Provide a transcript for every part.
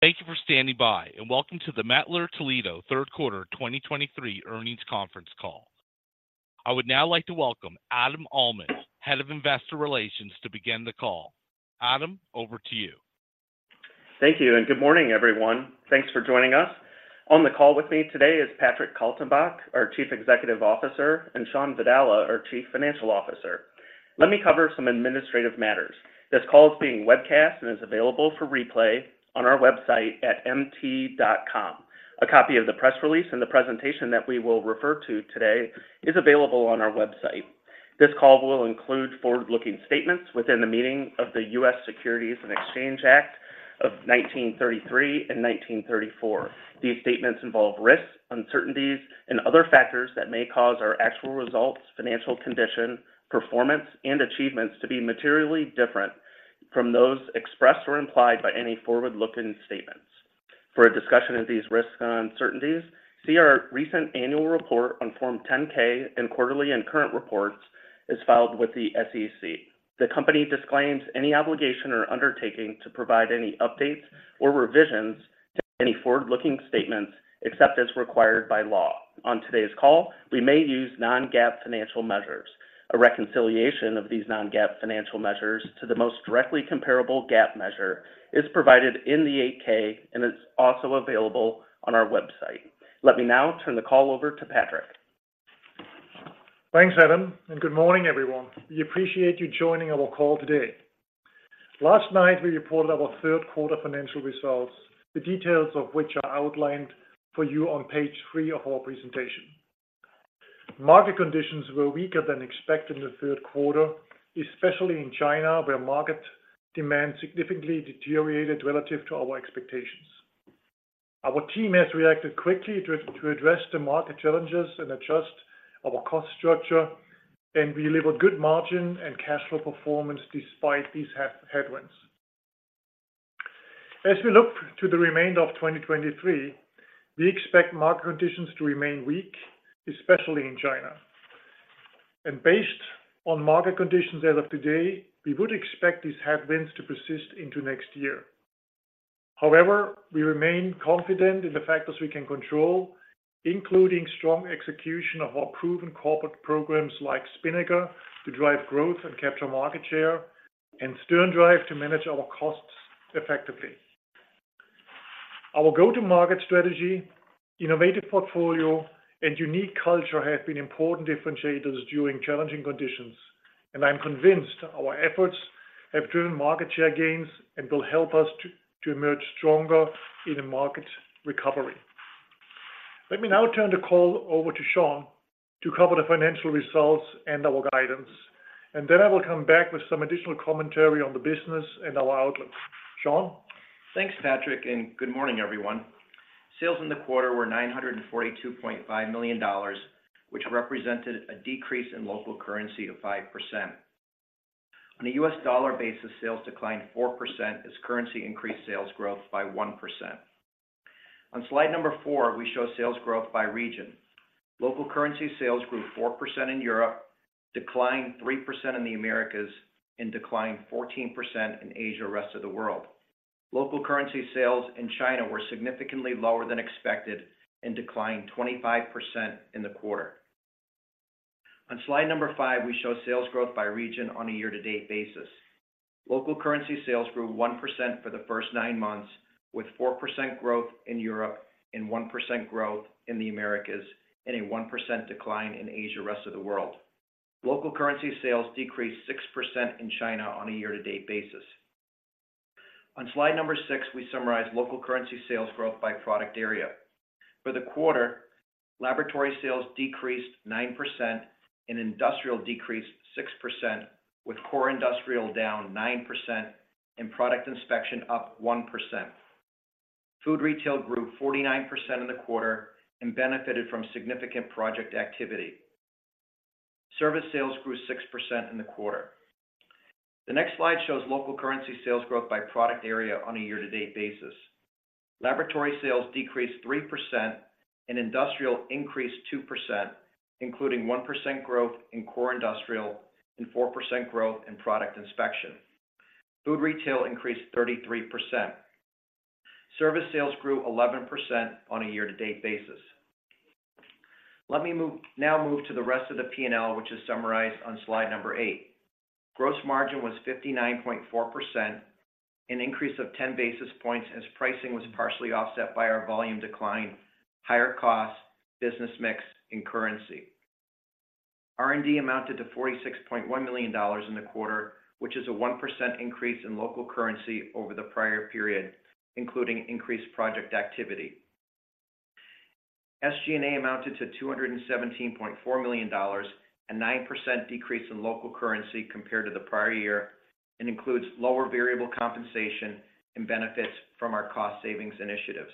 Thank you for standing by, and welcome to the Mettler-Toledo third quarter 2023 earnings conference call. I would now like to welcome Adam Uhlman, Head of Investor Relations, to begin the call. Adam, over to you. Thank you, and good morning, everyone. Thanks for joining us. On the call with me today is Patrick Kaltenbach, our Chief Executive Officer, and Shawn Vadala, our Chief Financial Officer. Let me cover some administrative matters. This call is being webcast and is available for replay on our website at mt.com. A copy of the press release and the presentation that we will refer to today is available on our website. This call will include forward-looking statements within the meaning of the U.S. Securities and Exchange Act of 1933 and 1934. These statements involve risks, uncertainties, and other factors that may cause our actual results, financial condition, performance, and achievements to be materially different from those expressed or implied by any forward-looking statements. For a discussion of these risks and uncertainties, see our recent annual report on Form 10-K and quarterly and current reports as filed with the SEC. The company disclaims any obligation or undertaking to provide any updates or revisions to any forward-looking statements, except as required by law. On today's call, we may use non-GAAP financial measures. A reconciliation of these non-GAAP financial measures to the most directly comparable GAAP measure is provided in the 8-K and is also available on our website. Let me now turn the call over to Patrick. Thanks, Adam, and good morning, everyone. We appreciate you joining our call today. Last night, we reported our third quarter financial results, the details of which are outlined for you on page three of our presentation. Market conditions were weaker than expected in the third quarter, especially in China, where market demand significantly deteriorated relative to our expectations. Our team has reacted quickly to address the market challenges and adjust our cost structure, and we delivered good margin and cash flow performance despite these headwinds. As we look to the remainder of 2023, we expect market conditions to remain weak, especially in China. Based on market conditions as of today, we would expect these headwinds to persist into next year. However, we remain confident in the factors we can control, including strong execution of our proven corporate programs like Spinnaker to drive growth and capture market share, and SternDrive to manage our costs effectively. Our go-to-market strategy, innovative portfolio, and unique culture have been important differentiators during challenging conditions, and I'm convinced our efforts have driven market share gains and will help us to emerge stronger in a market recovery. Let me now turn the call over to Shawn to cover the financial results and our guidance, and then I will come back with some additional commentary on the business and our outlook. Shawn? Thanks, Patrick, and good morning, everyone. Sales in the quarter were $942.5 million, which represented a decrease in local currency of 5%. On a U.S. dollar basis, sales declined 4% as currency increased sales growth by 1%. On slide four, we show sales growth by region. Local currency sales grew 4% in Europe, declined 3% in the Americas, and declined 14% in Asia, rest of the world. Local currency sales in China were significantly lower than expected and declined 25% in the quarter. On slide five, we show sales growth by region on a year-to-date basis. Local currency sales grew 1% for the first nine months, with 4% growth in Europe and 1% growth in the Americas, and a 1% decline in Asia, rest of the world. Local currency sales decreased 6% in China on a year-to-date basis. On slide number six, we summarize local currency sales growth by product area. For the quarter, laboratory sales decreased 9% and industrial decreased 6%, with core industrial down 9% and product inspection up 1%. Food retail grew 49% in the quarter and benefited from significant project activity. Service sales grew 6% in the quarter. The next slide shows local currency sales growth by product area on a year-to-date basis. Laboratory sales decreased 3%, and industrial increased 2%, including 1% growth in core industrial and 4% growth in product inspection. Food retail increased 33%. Service sales grew 11% on a year-to-date basis. Let me now move to the rest of the P&L, which is summarized on slide number 8. Gross margin was 59.4%, an increase of 10 basis points, as pricing was partially offset by our volume decline, higher costs, business mix, and currency. R&D amounted to $46.1 million in the quarter, which is a 1% increase in local currency over the prior period, including increased project activity. SG&A amounted to $217.4 million, a 9% decrease in local currency compared to the prior year, and includes lower variable compensation and benefits from our cost savings initiatives.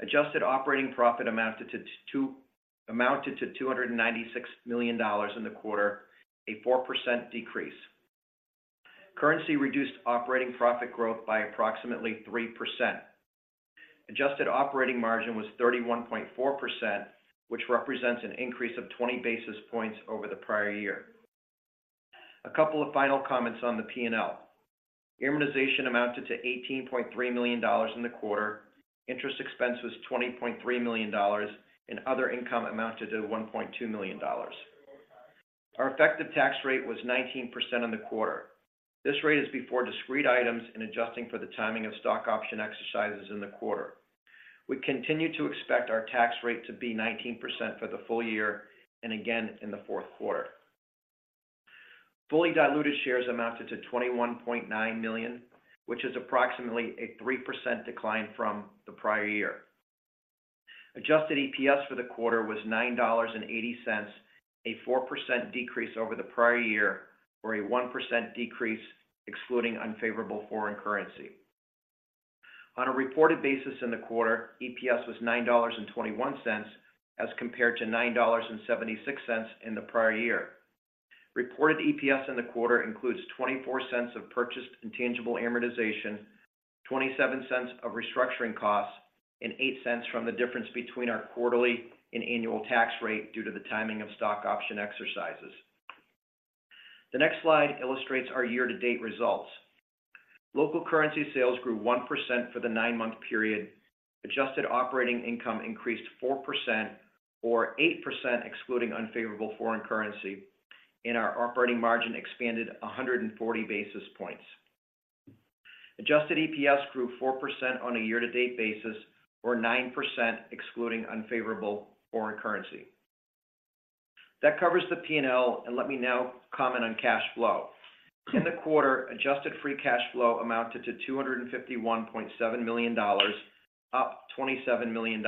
Adjusted operating profit amounted to $296 million in the quarter, a 4% decrease. Currency reduced operating profit growth by approximately 3%. Adjusted operating margin was 31.4%, which represents an increase of 20 basis points over the prior year. A couple of final comments on the P&L. Amortization amounted to $18.3 million in the quarter, interest expense was $20.3 million, and other income amounted to $1.2 million. Our effective tax rate was 19% in the quarter. This rate is before discrete items and adjusting for the timing of stock option exercises in the quarter. We continue to expect our tax rate to be 19% for the full year and again in the fourth quarter. Fully diluted shares amounted to 21.9 million, which is approximately a 3% decline from the prior year. Adjusted EPS for the quarter was $9.80, a 4% decrease over the prior year, or a 1% decrease, excluding unfavorable foreign currency. On a reported basis in the quarter, EPS was $9.21, as compared to $9.76 in the prior year. Reported EPS in the quarter includes $0.24 of purchased intangible amortization, $0.27 of restructuring costs, and $0.08 from the difference between our quarterly and annual tax rate due to the timing of stock option exercises. The next slide illustrates our year-to-date results. Local currency sales grew 1% for the nine-month period. Adjusted operating income increased 4%, or 8%, excluding unfavorable foreign currency, and our operating margin expanded 140 basis points. Adjusted EPS grew 4% on a year-to-date basis, or 9%, excluding unfavorable foreign currency. That covers the P&L, and let me now comment on cash flow. In the quarter, adjusted free cash flow amounted to $251.7 million, up $27 million,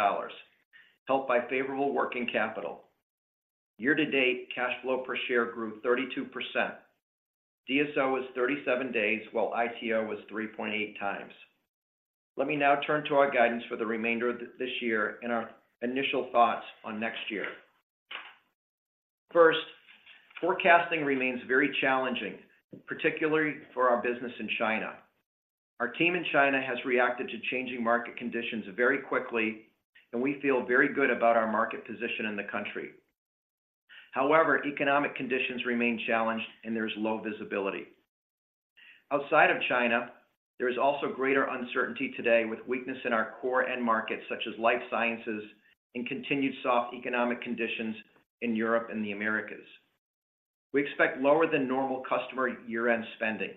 helped by favorable working capital. Year to date, cash flow per share grew 32%. DSO was 37 days, while ITO was 3.8x. Let me now turn to our guidance for the remainder of this year and our initial thoughts on next year. First, forecasting remains very challenging, particularly for our business in China. Our team in China has reacted to changing market conditions very quickly, and we feel very good about our market position in the country. However, economic conditions remain challenged and there's low visibility. Outside of China, there is also greater uncertainty today, with weakness in our core end markets, such as life sciences, and continued soft economic conditions in Europe and the Americas. We expect lower than normal customer year-end spending.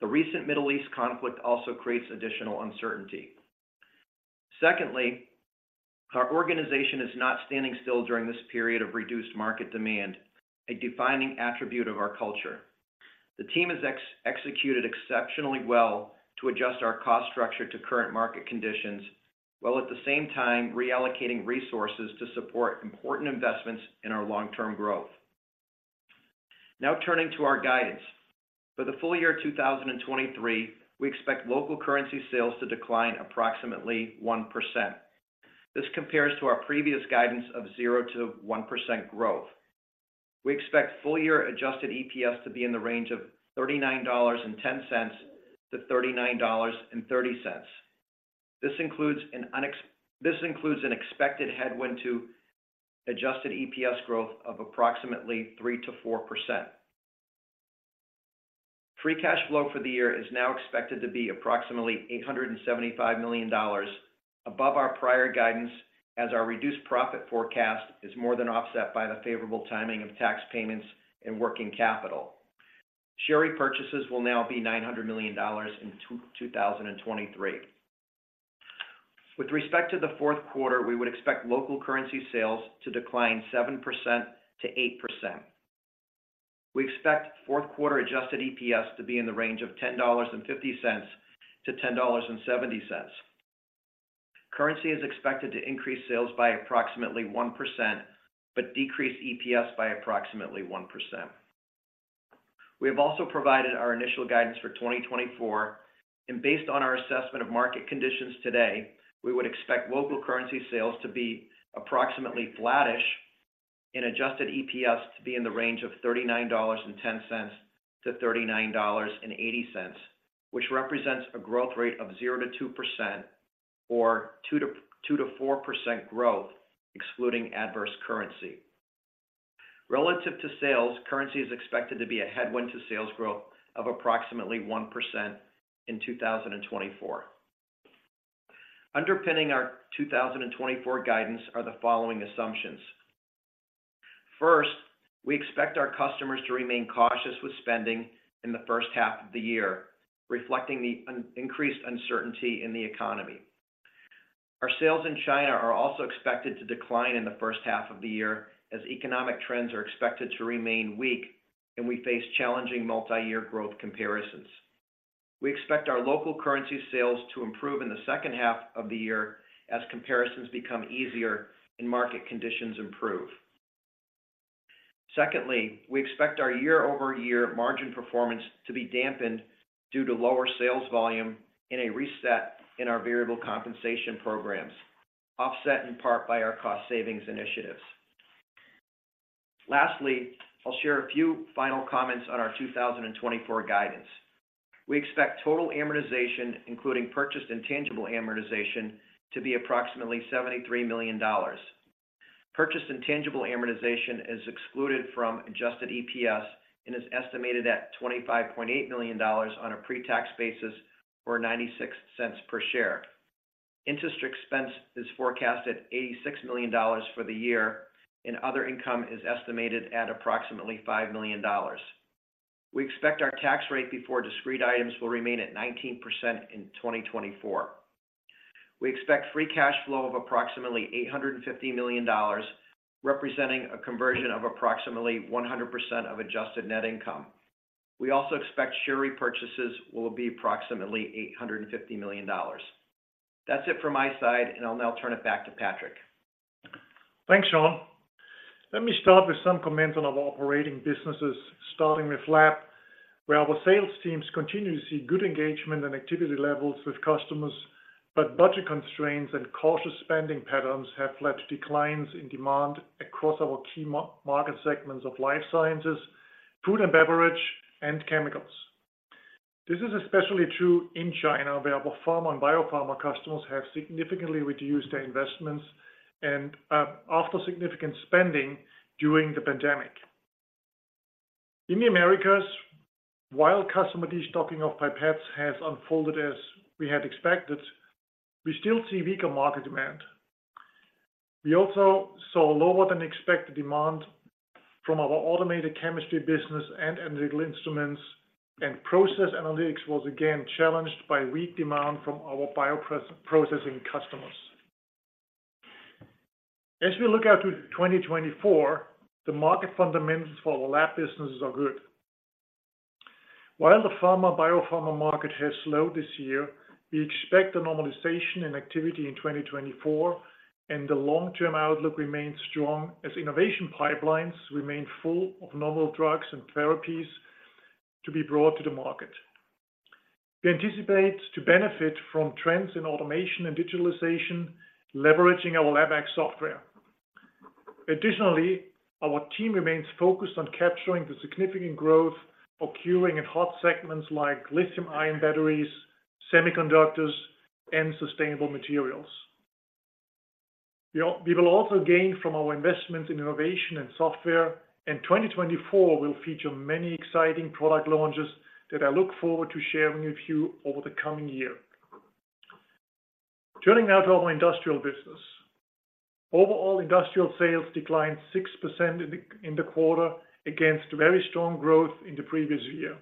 The recent Middle East conflict also creates additional uncertainty. Secondly, our organization is not standing still during this period of reduced market demand, a defining attribute of our culture. The team has executed exceptionally well to adjust our cost structure to current market conditions, while at the same time reallocating resources to support important investments in our long-term growth. Now, turning to our guidance. For the full year 2023, we expect local currency sales to decline approximately 1%. This compares to our previous guidance of 0%-1% growth. We expect full year adjusted EPS to be in the range of $39.10-$39.30. This includes an expected headwind to adjusted EPS growth of approximately 3%-4%. Free cash flow for the year is now expected to be approximately $875 million, above our prior guidance, as our reduced profit forecast is more than offset by the favorable timing of tax payments and working capital. Share repurchases will now be $900 million in 2023. With respect to the fourth quarter, we would expect local currency sales to decline 7%-8%. We expect fourth quarter adjusted EPS to be in the range of $10.50-$10.70. Currency is expected to increase sales by approximately 1%, but decrease EPS by approximately 1%. We have also provided our initial guidance for 2024, and based on our assessment of market conditions today, we would expect local currency sales to be approximately flattish, and adjusted EPS to be in the range of $39.10-$39.80, which represents a growth rate of 0%-2% or 2%-4% growth, excluding adverse currency. Relative to sales, currency is expected to be a headwind to sales growth of approximately 1% in 2024. Underpinning our 2024 guidance are the following assumptions: First, we expect our customers to remain cautious with spending in the first half of the year, reflecting the increased uncertainty in the economy. Our sales in China are also expected to decline in the first half of the year, as economic trends are expected to remain weak, and we face challenging multi-year growth comparisons. We expect our local currency sales to improve in the second half of the year as comparisons become easier and market conditions improve. Secondly, we expect our year-over-year margin performance to be dampened due to lower sales volume and a reset in our variable compensation programs, offset in part by our cost savings initiatives. Lastly, I'll share a few final comments on our 2024 guidance. We expect total amortization, including purchased intangible amortization, to be approximately $73 million. Purchased intangible amortization is excluded from adjusted EPS and is estimated at $25.8 million on a pre-tax basis, or $0.96 per share. Interest expense is forecasted $86 million for the year, and other income is estimated at approximately $5 million. We expect our tax rate before discrete items will remain at 19% in 2024. We expect free cash flow of approximately $850 million, representing a conversion of approximately 100% of adjusted net income. We also expect share repurchases will be approximately $850 million. That's it from my side, and I'll now turn it back to Patrick. Thanks, Shawn. Let me start with some comments on our operating businesses, starting with lab, where our sales teams continue to see good engagement and activity levels with customers, but budget constraints and cautious spending patterns have led to declines in demand across our key market segments of life sciences, food and beverage, and chemicals. This is especially true in China, where our pharma and biopharma customers have significantly reduced their investments and after significant spending during the pandemic. In the Americas, while customer destocking of pipettes has unfolded as we had expected, we still see weaker market demand. We also saw lower-than-expected demand from our automated chemistry business and analytical instruments, and Process Analytics was again challenged by weak demand from our bioprocessing customers. As we look out to 2024, the market fundamentals for our lab businesses are good. While the pharma/biopharma market has slowed this year, we expect a normalization in activity in 2024, and the long-term outlook remains strong as innovation pipelines remain full of novel drugs and therapies to be brought to the market. We anticipate to benefit from trends in automation and digitalization, leveraging our LabX software. Additionally, our team remains focused on capturing the significant growth occurring in hot segments like lithium-ion batteries, semiconductors, and sustainable materials. We will also gain from our investments in innovation and software, and 2024 will feature many exciting product launches that I look forward to sharing with you over the coming year. Turning now to our Industrial business. Overall, industrial sales declined 6% in the quarter against very strong growth in the previous year.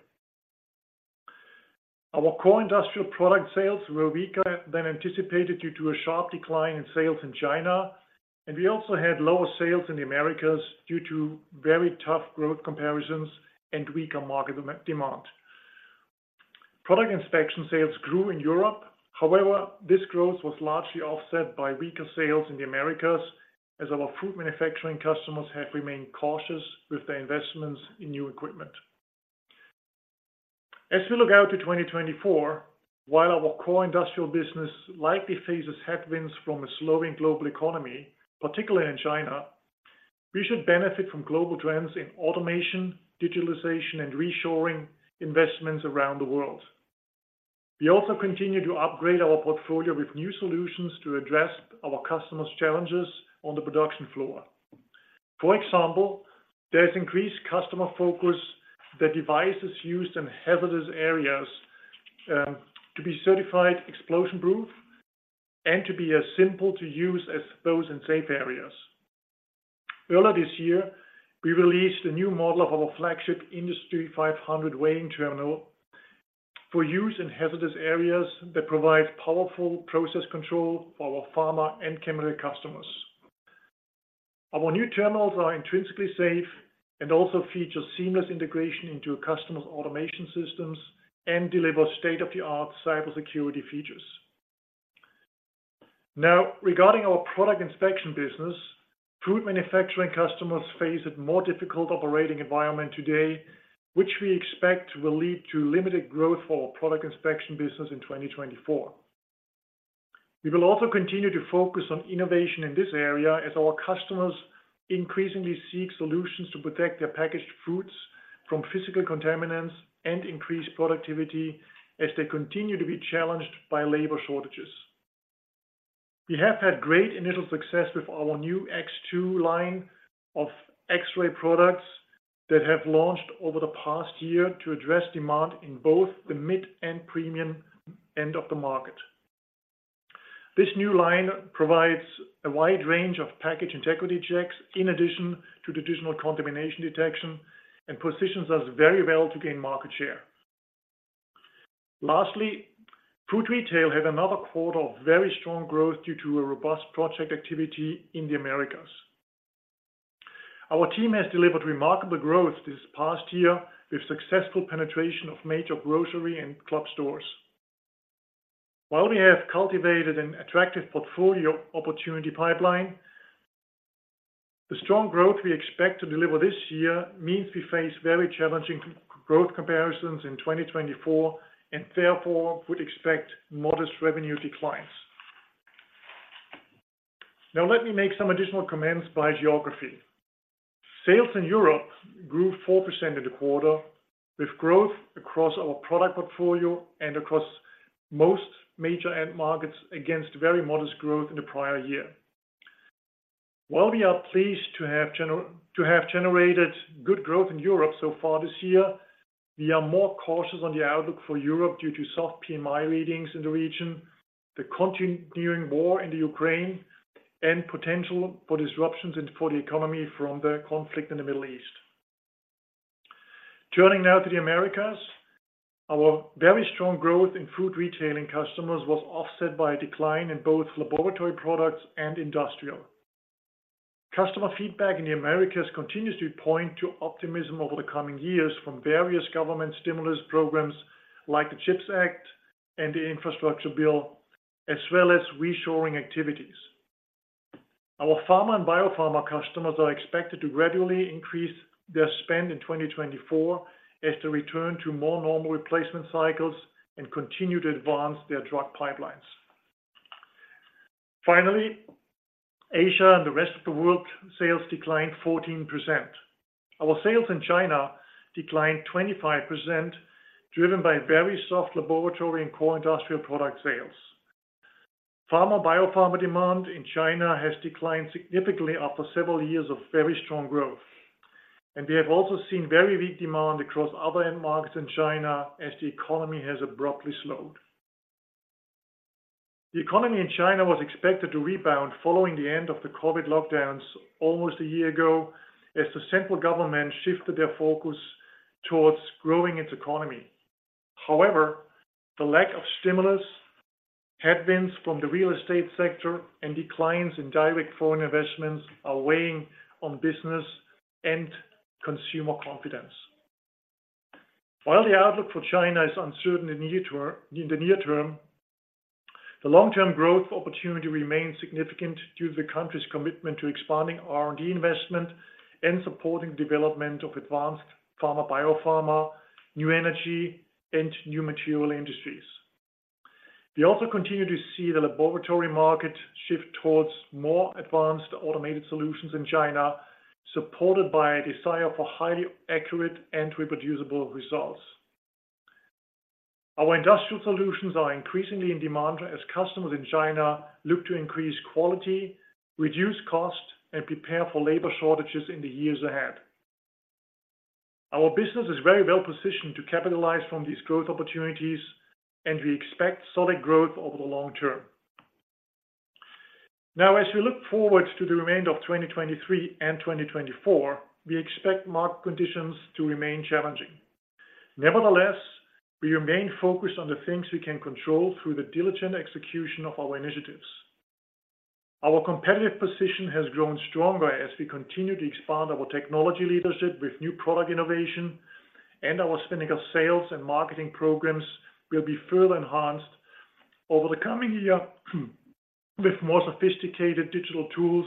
Our core industrial product sales were weaker than anticipated due to a sharp decline in sales in China, and we also had lower sales in the Americas due to very tough growth comparisons and weaker market demand. Product inspection sales grew in Europe. However, this growth was largely offset by weaker sales in the Americas, as our food manufacturing customers have remained cautious with their investments in new equipment. As we look out to 2024, while our core industrial business likely faces headwinds from a slowing global economy, particularly in China, we should benefit from global trends in automation, digitalization, and reshoring investments around the world. We also continue to upgrade our portfolio with new solutions to address our customers' challenges on the production floor. For example, there's increased customer focus that devices used in hazardous areas to be certified explosion-proof and to be as simple to use as those in safe areas. Earlier this year, we released a new model of our flagship IND500x weighing terminal for use in hazardous areas that provide powerful process control for our pharma and chemical customers. Our new terminals are intrinsically safe and also feature seamless integration into a customer's automation systems and deliver state-of-the-art cybersecurity features. Now, regarding our product inspection business, food manufacturing customers face a more difficult operating environment today, which we expect will lead to limited growth for our Product Inspection business in 2024. We will also continue to focus on innovation in this area as our customers increasingly seek solutions to protect their packaged foods from physical contaminants and increase productivity as they continue to be challenged by labor shortages. We have had great initial success with our new X2 line of X-ray products that have launched over the past year to address demand in both the mid and premium end of the market. This new line provides a wide range of package integrity checks, in addition to traditional contamination detection, and positions us very well to gain market share. Lastly, food retail had another quarter of very strong growth due to a robust project activity in the Americas. Our team has delivered remarkable growth this past year with successful penetration of major grocery and club stores. While we have cultivated an attractive portfolio opportunity pipeline, the strong growth we expect to deliver this year means we face very challenging growth comparisons in 2024 and therefore would expect modest revenue declines. Now let me make some additional comments by geography. Sales in Europe grew 4% in the quarter, with growth across our product portfolio and across most major end markets, against very modest growth in the prior year. While we are pleased to have to have generated good growth in Europe so far this year, we are more cautious on the outlook for Europe due to soft PMI readings in the region, the continuing war in the Ukraine, and potential for disruptions and for the economy from the conflict in the Middle East. Turning now to the Americas, our very strong growth in food retailing customers was offset by a decline in both laboratory products and industrial. Customer feedback in the Americas continues to point to optimism over the coming years from various government stimulus programs like the CHIPS Act and the Infrastructure Bill, as well as reshoring activities. Our pharma and biopharma customers are expected to gradually increase their spend in 2024 as they return to more normal replacement cycles and continue to advance their drug pipelines. Finally, Asia and the rest of the world, sales declined 14%. Our sales in China declined 25%, driven by very soft laboratory and core industrial product sales. Pharma, biopharma demand in China has declined significantly after several years of very strong growth, and we have also seen very weak demand across other end markets in China as the economy has abruptly slowed. The economy in China was expected to rebound following the end of the COVID lockdowns almost a year ago, as the central government shifted their focus towards growing its economy. However, the lack of stimulus, headwinds from the real estate sector, and declines in direct foreign investments are weighing on business and consumer confidence. While the outlook for China is uncertain in the near term, the long-term growth opportunity remains significant due to the country's commitment to expanding R&D investment and supporting the development of advanced pharma, biopharma, new energy, and new material industries. We also continue to see the laboratory market shift towards more advanced automated solutions in China, supported by a desire for highly accurate and reproducible results. Our industrial solutions are increasingly in demand as customers in China look to increase quality, reduce cost, and prepare for labor shortages in the years ahead. Our business is very well positioned to capitalize from these growth opportunities, and we expect solid growth over the long term. Now, as we look forward to the remainder of 2023 and 2024, we expect market conditions to remain challenging. Nevertheless, we remain focused on the things we can control through the diligent execution of our initiatives. Our competitive position has grown stronger as we continue to expand our technology leadership with new product innovation, and our Spinnaker sales and marketing programs will be further enhanced over the coming year, with more sophisticated digital tools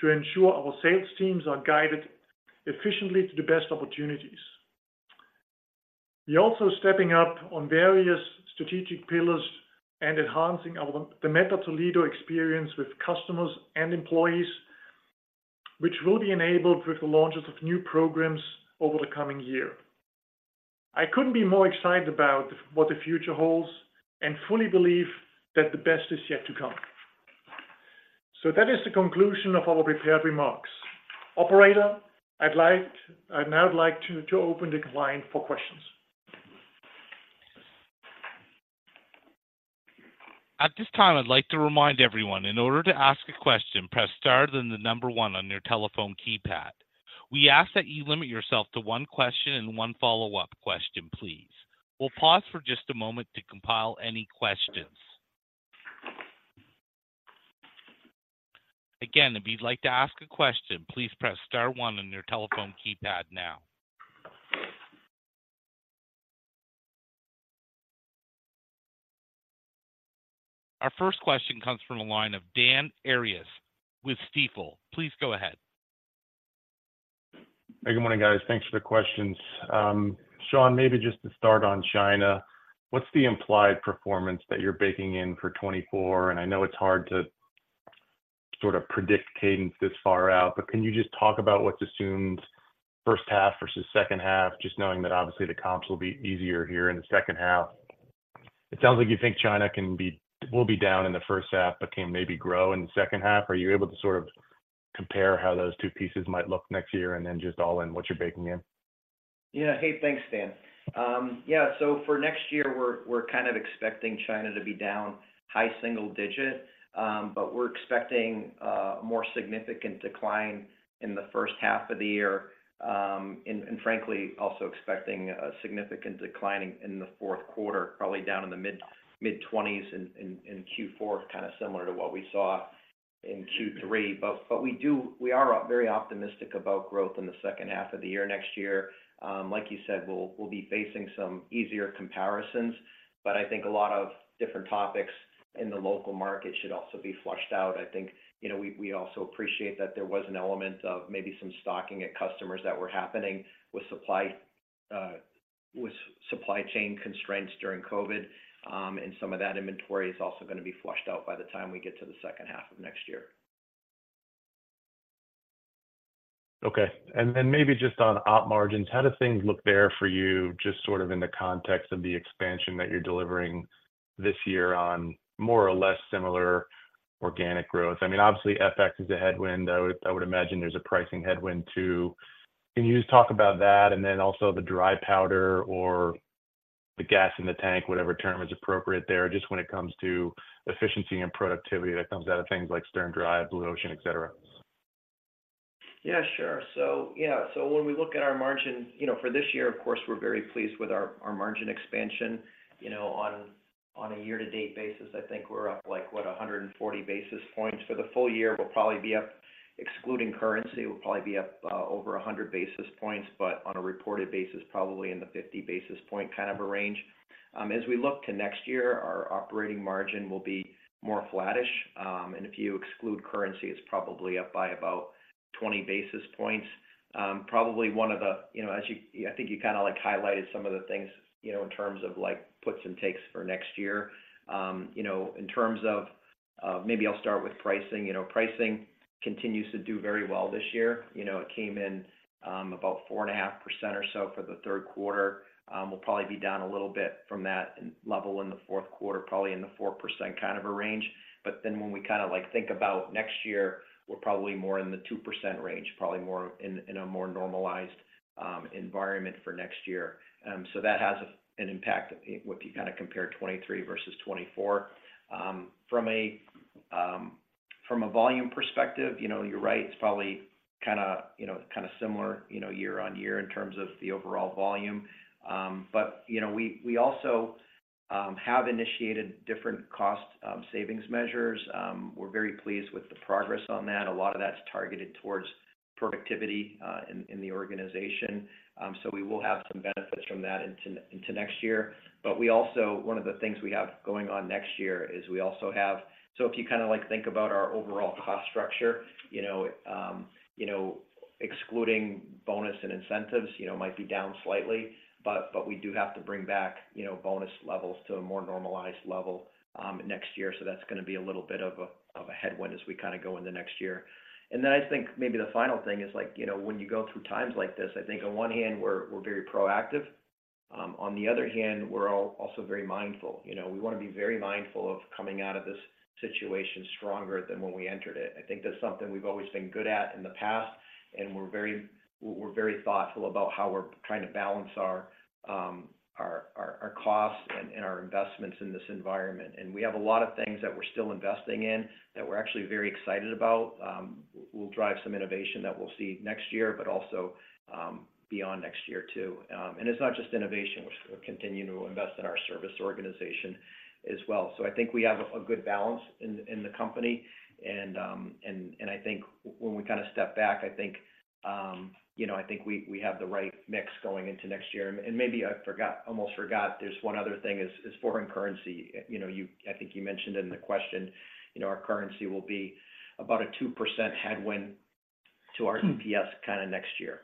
to ensure our sales teams are guided efficiently to the best opportunities. We're also stepping up on various strategic pillars and enhancing the Mettler-Toledo experience with customers and employees, which will be enabled with the launches of new programs over the coming year. I couldn't be more excited about what the future holds and fully believe that the best is yet to come. So that is the conclusion of our prepared remarks. Operator, I'd now like to open the line for questions. At this time, I'd like to remind everyone, in order to ask a question, press star, then the number one on your telephone keypad. We ask that you limit yourself to one question and one follow-up question, please. We'll pause for just a moment to compile any questions. Again, if you'd like to ask a question, please press star one on your telephone keypad now. Our first question comes from the line of Dan Arias with Stifel. Please go ahead. Hey, good morning, guys. Thanks for the questions. Shawn, maybe just to start on China, what's the implied performance that you're baking in for 2024? And I know it's hard to sort of predict cadence this far out, but can you just talk about what's assumed first half versus second half, just knowing that obviously the comps will be easier here in the second half? It sounds like you think China will be down in the first half, but can maybe grow in the second half. Are you able to sort of compare how those two pieces might look next year, and then just all in, what you're baking in? Yeah. Hey, thanks, Dan. Yeah, so for next year, we're expecting China to be down high single-digit, but we're expecting a more significant decline in the first half of the year. And frankly, also expecting a significant decline in the fourth quarter, probably down in the mid-20s in Q4, kind of similar to what we saw in Q3. But we do, we are very optimistic about growth in the second half of the year next year. Like you said, we'll be facing some easier comparisons, but I think a lot of different topics in the local market should also be fleshed out. I think, you know, we also appreciate that there was an element of maybe some stocking by customers that were happening with supply chain... with supply chain constraints during COVID, and some of that inventory is also gonna be flushed out by the time we get to the second half of next year. Okay. And then maybe just on op margins, how do things look there for you, just sort of in the context of the expansion that you're delivering this year on more or less similar organic growth? I mean, obviously, FX is a headwind. I would, I would imagine there's a pricing headwind, too. Can you just talk about that? And then also the dry powder or the gas in the tank, whatever term is appropriate there, just when it comes to efficiency and productivity that comes out of things like SternDrive, Blue Ocean, et cetera. Yeah, sure. So, yeah, so when we look at our margin, you know, for this year, of course, we're very pleased with our margin expansion. You know, on a year-to-date basis, I think we're up, like, what? 100 basis points. For the full year, we'll probably be up... Excluding currency, we'll probably be up over 100 basis points, but on a reported basis, probably in the 50 basis point kind of a range. As we look to next year, our operating margin will be more flattish. And if you exclude currency, it's probably up by about 20 basis points. Probably one of the, you know, as you, I think you kinda, like, highlighted some of the things, you know, in terms of, like, puts and takes for next year. You know, in terms of... Maybe I'll start with pricing. You know, pricing continues to do very well this year. You know, it came in, about 4.5% or so for the third quarter. We'll probably be down a little bit from that level in the fourth quarter, probably in the 4% kind of a range. But then when we kinda, like, think about next year, we're probably more in the 2% range, probably more in, in a more normalized, environment for next year. So that has an impact when you kinda compare 2023 versus 2024. From a volume perspective, you know, you're right. It's probably kinda, you know, kinda similar, you know, year-over-year in terms of the overall volume. But, you know, we also have initiated different cost savings measures. We're very pleased with the progress on that. A lot of that's targeted towards productivity in the organization. So we will have some benefits from that into next year. But we also—one of the things we have going on next year is we also have—So if you kinda, like, think about our overall cost structure, you know, you know, excluding bonus and incentives, you know, might be down slightly, but we do have to bring back, you know, bonus levels to a more normalized level next year. So that's gonna be a little bit of a headwind as we kinda go in the next year. And then I think maybe the final thing is, like, you know, when you go through times like this, I think on one hand, we're very proactive. On the other hand, we're also very mindful. You know, we wanna be very mindful of coming out of this situation stronger than when we entered it. I think that's something we've always been good at in the past, and we're very thoughtful about how we're trying to balance our our costs and our investments in this environment. And we have a lot of things that we're still investing in that we're actually very excited about. We'll drive some innovation that we'll see next year, but also beyond next year, too. And it's not just innovation. We're continuing to invest in our service organization as well. So I think we have a good balance in the company, and I think when we kinda step back, I think, you know, I think we have the right mix going into next year. And maybe I forgot, almost forgot, there's one other thing, is foreign currency. You know, I think you mentioned in the question, you know, our currency will be about a 2% headwind to our EPS kinda next year.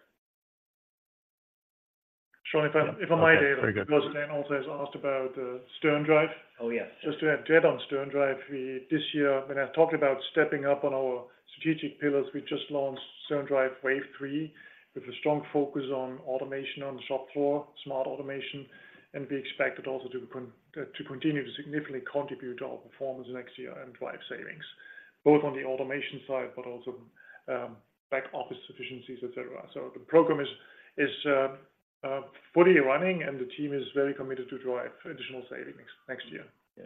Shawn, if I, if I may, David- Very good.... also has asked about SternDrive. Oh, yes. Just to add to that on SternDrive, we this year, when I talked about stepping up on our strategic pillars, we just launched SternDrive Wave Three, with a strong focus on automation on the shop floor, smart automation. And we expect it also to continue to significantly contribute to our performance next year and drive savings, both on the automation side, but also, back office efficiencies, et cetera. So the program is fully running, and the team is very committed to drive additional savings next year. Yeah.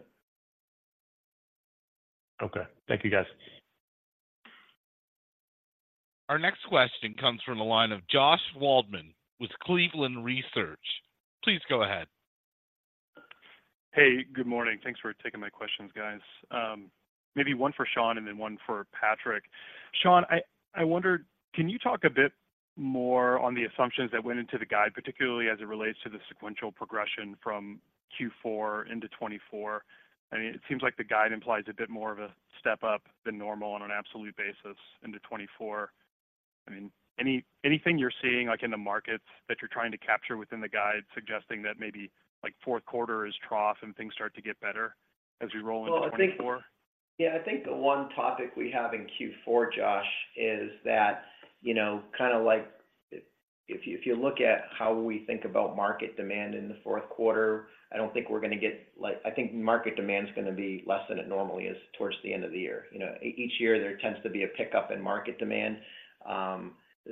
Okay. Thank you, guys. Our next question comes from the line of Josh Waldman with Cleveland Research. Please go ahead. Hey, good morning. Thanks for taking my questions, guys. Maybe one for Shawn and then one for Patrick. Shawn, I wonder, can you talk a bit more on the assumptions that went into the guide, particularly as it relates to the sequential progression from Q4 into 2024? I mean, it seems like the guide implies a bit more of a step up than normal on an absolute basis into 2024. I mean, anything you're seeing, like, in the markets that you're trying to capture within the guide, suggesting that maybe, like, fourth quarter is trough and things start to get better as we roll into 2024? Well, I think... Yeah, I think the one topic we have in Q4, Josh, is that, you know, kinda like, if you look at how we think about market demand in the fourth quarter, I don't think we're gonna get, like... I think market demand is gonna be less than it normally is towards the end of the year. You know, each year, there tends to be a pickup in market demand,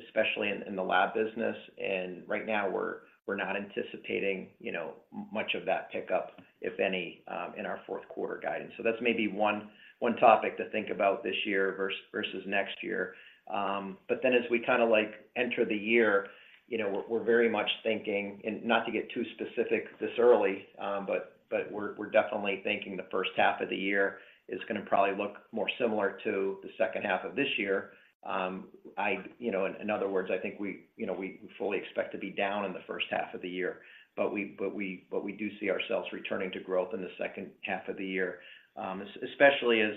especially in the lab business, and right now we're not anticipating, you know, much of that pickup, if any, in our fourth quarter guidance. So that's maybe one topic to think about this year versus next year. But then as we kinda, like, enter the year, you know, we're, we're very much thinking, and not to get too specific this early, but, but we're, we're definitely thinking the first half of the year is gonna probably look more similar to the second half of this year. I, you know, in other words, I think we, you know, we fully expect to be down in the first half of the year, but we, but we, but we do see ourselves returning to growth in the second half of the year. Especially as,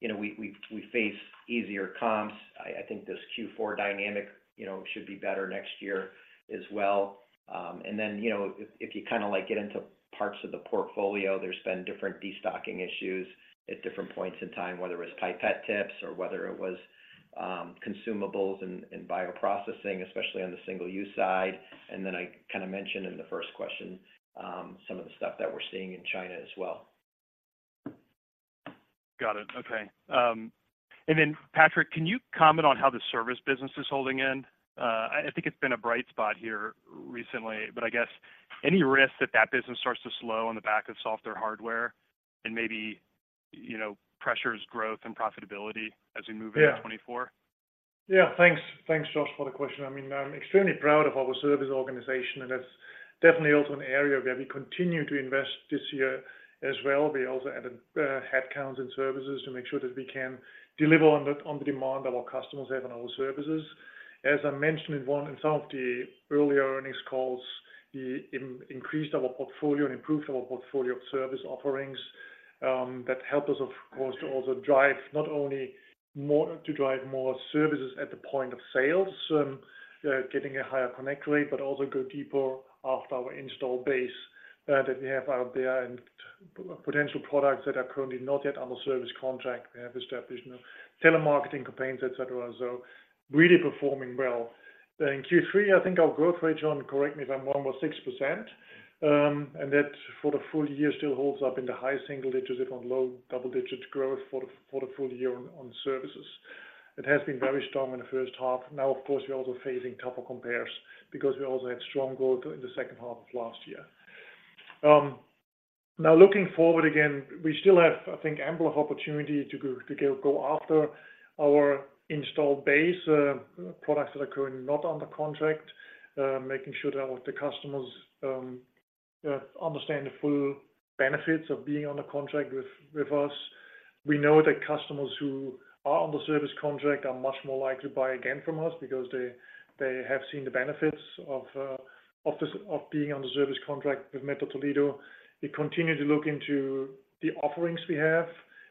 you know, we, we, we face easier comps. I, I think this Q4 dynamic, you know, should be better next year as well. And then, you know, if, if you kinda, like, get into parts of the portfolio, there's been different destocking issues. At different points in time, whether it was pipette tips or whether it was consumables and bioprocessing, especially on the single-use side. And then I kind of mentioned in the first question some of the stuff that we're seeing in China as well. Got it. Okay. And then, Patrick, can you comment on how the service business is holding in? I think it's been a bright spot here recently, but I guess any risk that that business starts to slow on the back of software, hardware and maybe, you know, pressures growth and profitability as we move into 2024? Yeah. Yeah, thanks. Thanks, Josh, for the question. I mean, I'm extremely proud of our service organization, and that's definitely also an area where we continue to invest this year as well. We also added headcounts and services to make sure that we can deliver on the demand our customers have on our services. As I mentioned in some of the earlier earnings calls, we increased our portfolio and improved our portfolio of service offerings that help us, of course, to also drive not only more to drive more services at the point of sales, getting a higher connect rate, but also go deeper after our install base that we have out there, and potential products that are currently not yet on the service contract. We have established, you know, telemarketing campaigns, et cetera, so really performing well. In Q3, I think our growth rate, John, correct me if I'm wrong, was 6%. And that for the full year still holds up in the high single digits or low double-digit growth for the full year on services. It has been very strong in the first half. Now, of course, we're also facing tougher compares because we also had strong growth in the second half of last year. Now, looking forward, again, we still have, I think, ample of opportunity to go, to go, go after our installed base, products that are currently not under contract, making sure that the customers understand the full benefits of being on a contract with us. We know that customers who are on the service contract are much more likely to buy again from us because they, they have seen the benefits of being on the service contract with Mettler Toledo. We continue to look into the offerings we have,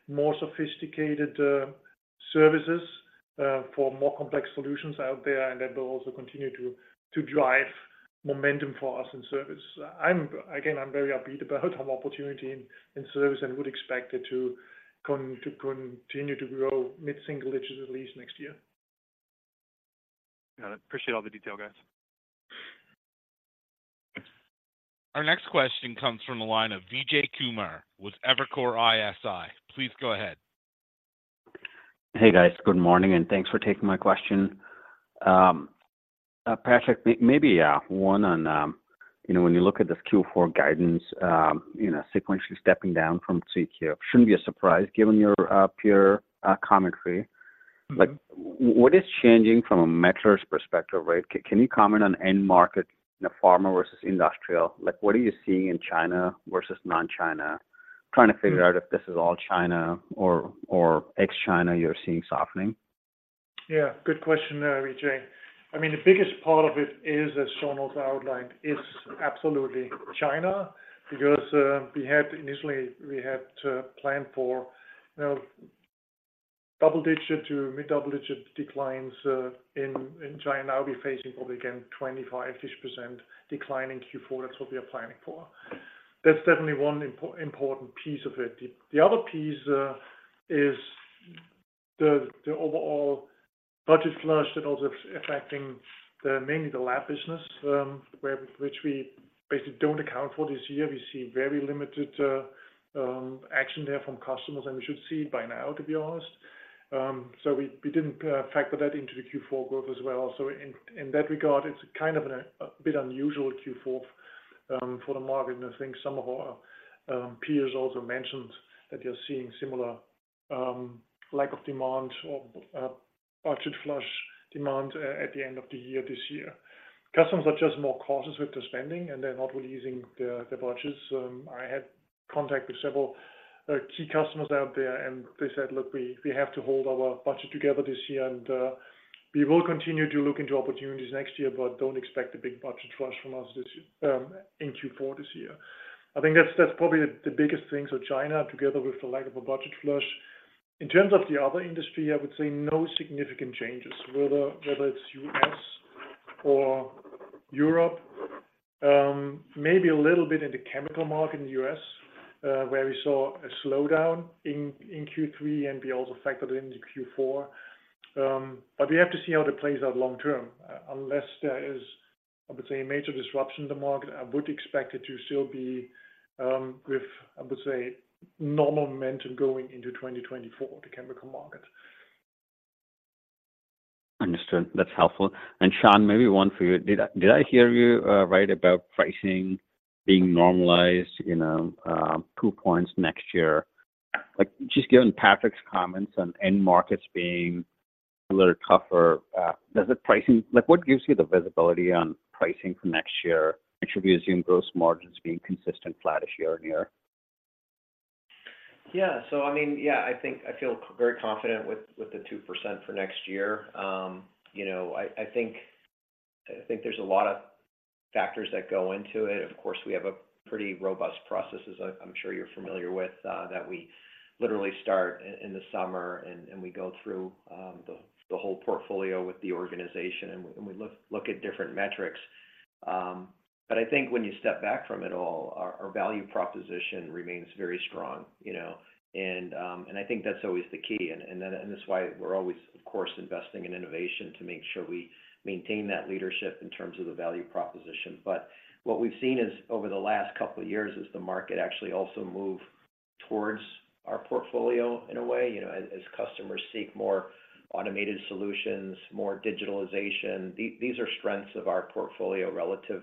more sophisticated services, for more complex solutions out there, and that will also continue to drive momentum for us in service. Again, I'm very upbeat about our opportunity in service and would expect it to continue to grow mid-single digits at least next year. Got it. Appreciate all the detail, guys. Our next question comes from the line of Vijay Kumar with Evercore ISI. Please go ahead. Hey, guys. Good morning, and thanks for taking my question. Patrick, maybe one on, you know, when you look at this Q4 guidance, you know, sequentially stepping down from 3Q, shouldn't be a surprise given your peer commentary. Mm-hmm. Like, what is changing from a Mettler's perspective, right? Can you comment on end market in pharma versus industrial? Like, what are you seeing in China versus non-China? Trying to figure out- Mm... if this is all China or ex-China, you're seeing softening? Yeah, good question, Vijay. I mean, the biggest part of it is, as Shawn also outlined, is absolutely China, because we had initially, we had to plan for, you know, double-digit to mid double-digit declines in China. Now, we're facing probably, again, 25-ish% decline in Q4. That's what we are planning for. That's definitely one important piece of it. The other piece is the overall budget flush that also is affecting mainly the lab business, which we basically don't account for this year. We see very limited action there from customers, and we should see it by now, to be honest. So we didn't factor that into the Q4 growth as well. So in that regard, it's kind of a bit unusual Q4 for the market. And I think some of our peers also mentioned that they're seeing similar lack of demand or budget flush demand at the end of the year, this year. Customers are just more cautious with the spending, and they're not really using the budgets. I had contact with several key customers out there, and they said, "Look, we have to hold our budget together this year, and we will continue to look into opportunities next year, but don't expect a big budget flush from us this in Q4 this year." I think that's probably the biggest thing. So China, together with the lack of a budget flush. In terms of the other industry, I would say no significant changes, whether it's U.S. or Europe. Maybe a little bit in the chemical market in the U.S., where we saw a slowdown in Q3, and we also factored in the Q4. But we have to see how it plays out long term. Unless there is, I would say, a major disruption in the market, I would expect it to still be with, I would say, normal momentum going into 2024, the chemical market. Understood. That's helpful. And Shawn, maybe one for you. Did I hear you right about pricing being normalized, you know, 2 points next year? Like, just given Patrick's comments on end markets being a little tougher, does the pricing, like, what gives you the visibility on pricing for next year? And should we assume gross margins being consistent flatish year-over-year? Yeah. So I mean, yeah, I think I feel very confident with the 2% for next year. You know, I think there's a lot of factors that go into it. Of course, we have a pretty robust processes. I'm sure you're familiar with that we literally start in the summer, and we go through the whole portfolio with the organization, and we look at different metrics. But I think when you step back from it all, our value proposition remains very strong, you know? And I think that's always the key, and that's why we're always, of course, investing in innovation to make sure we maintain that leadership in terms of the value proposition. But what we've seen is, over the last couple of years, the market actually also move towards our portfolio in a way, you know, as customers seek more automated solutions, more digitalization. These are strengths of our portfolio relative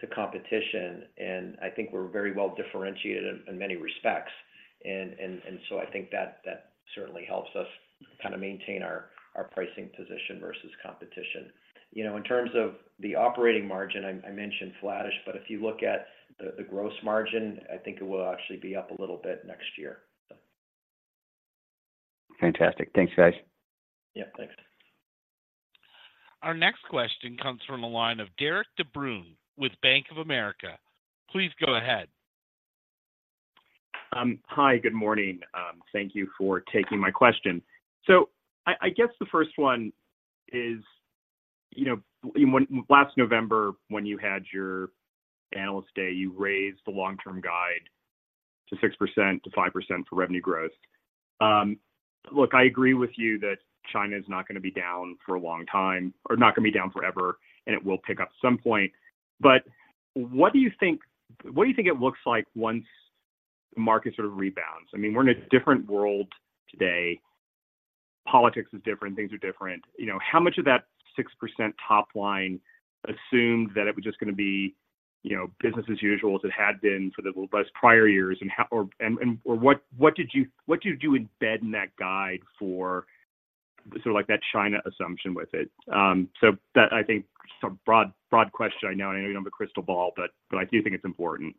to competition, and I think we're very well differentiated in many respects. And so I think that certainly helps us kind of maintain our pricing position versus competition. You know, in terms of the operating margin, I mentioned flattish, but if you look at the gross margin, I think it will actually be up a little bit next year. Fantastic. Thanks, guys. Yeah, thanks. Our next question comes from the line of Derik De Bruin with Bank of America. Please go ahead. Hi, good morning. Thank you for taking my question. So I guess the first one is, you know, when last November, when you had your analyst day, you raised the long-term guide to 6%, to 5% for revenue growth. Look, I agree with you that China is not going to be down for a long time or not going to be down forever, and it will pick up at some point. But what do you think it looks like once the market sort of rebounds? I mean, we're in a different world today. Politics is different, things are different. You know, how much of that 6% top line assumed that it was just going to be, you know, business as usual as it had been for the past prior years? And how... What did you embed in that guide for sort of like that China assumption with it? So that, I think, is a broad, broad question. I know, I know you don't have a crystal ball, but, but I do think it's important.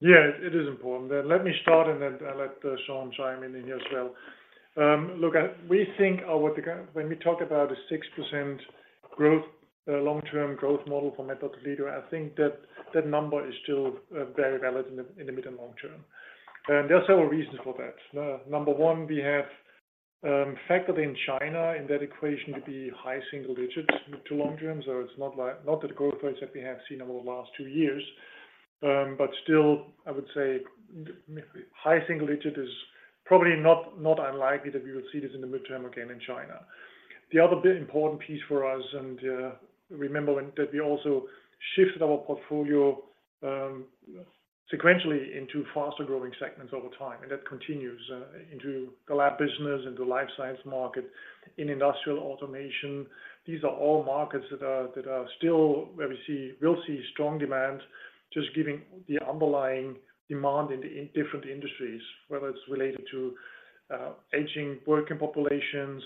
Yeah, it is important. Let me start and then, let Shawn chime in in here as well. Look, we think our when we talk about a 6% growth, long-term growth model for Mettler-Toledo, I think that that number is still, very valid in the, in the mid and long term. And there are several reasons for that. Number one, we have, factored in China in that equation to be high single digits to long term. So it's not like not the growth rates that we have seen over the last two years, but still, I would say high single digit is probably not, not unlikely that we will see this in the mid-term again in China. The other big important piece for us, and remember that we also shifted our portfolio sequentially into faster-growing segments over time, and that continues into the lab business, into the life science market, in industrial automation. These are all markets that are still where we'll see strong demand, just given the underlying demand in the different industries, whether it's related to aging working populations,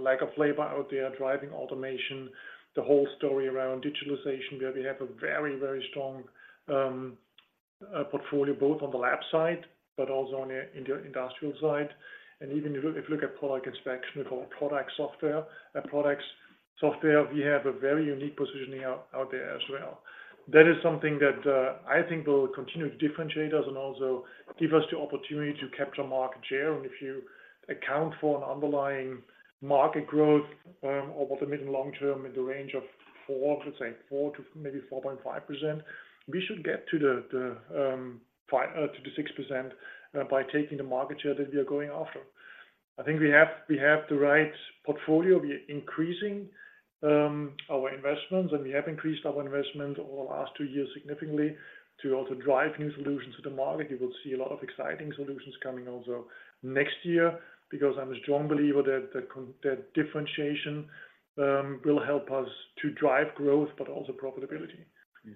lack of labor out there, driving automation, the whole story around digitalization, where we have a very, very strong portfolio, both on the lab side but also on the industrial side. Even if you look at product inspection or product software, we have a very unique positioning out there as well. That is something that, I think will continue to differentiate us and also give us the opportunity to capture market share. And if you account for an underlying market growth, over the mid and long term, in the range of 4, let's say, 4-4.5%, we should get to the 5-6% by taking the market share that we are going after. I think we have the right portfolio. We are increasing our investments, and we have increased our investment over the last two years significantly to also drive new solutions to the market. You will see a lot of exciting solutions coming also next year, because I'm a strong believer that the con-- that differentiation will help us to drive growth, but also profitability. Mm-hmm.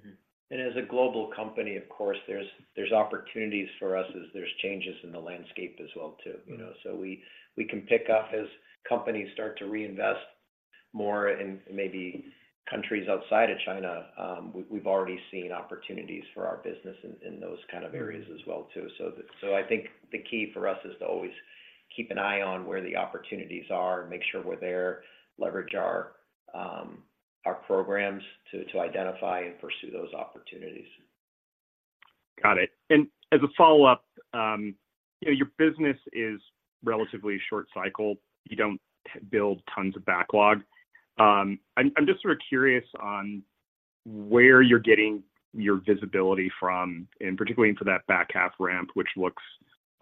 As a global company, of course, there's opportunities for us as there's changes in the landscape as well, too, you know? So we can pick up as companies start to reinvest more in maybe countries outside of China. We've already seen opportunities for our business in those kind of areas as well too. So I think the key for us is to always keep an eye on where the opportunities are and make sure we're there, leverage our programs to identify and pursue those opportunities. Got it. And as a follow-up, your business is relatively short cycle. You don't build tons of backlog. I'm just sort of curious on where you're getting your visibility from, and particularly into that back half ramp, which looks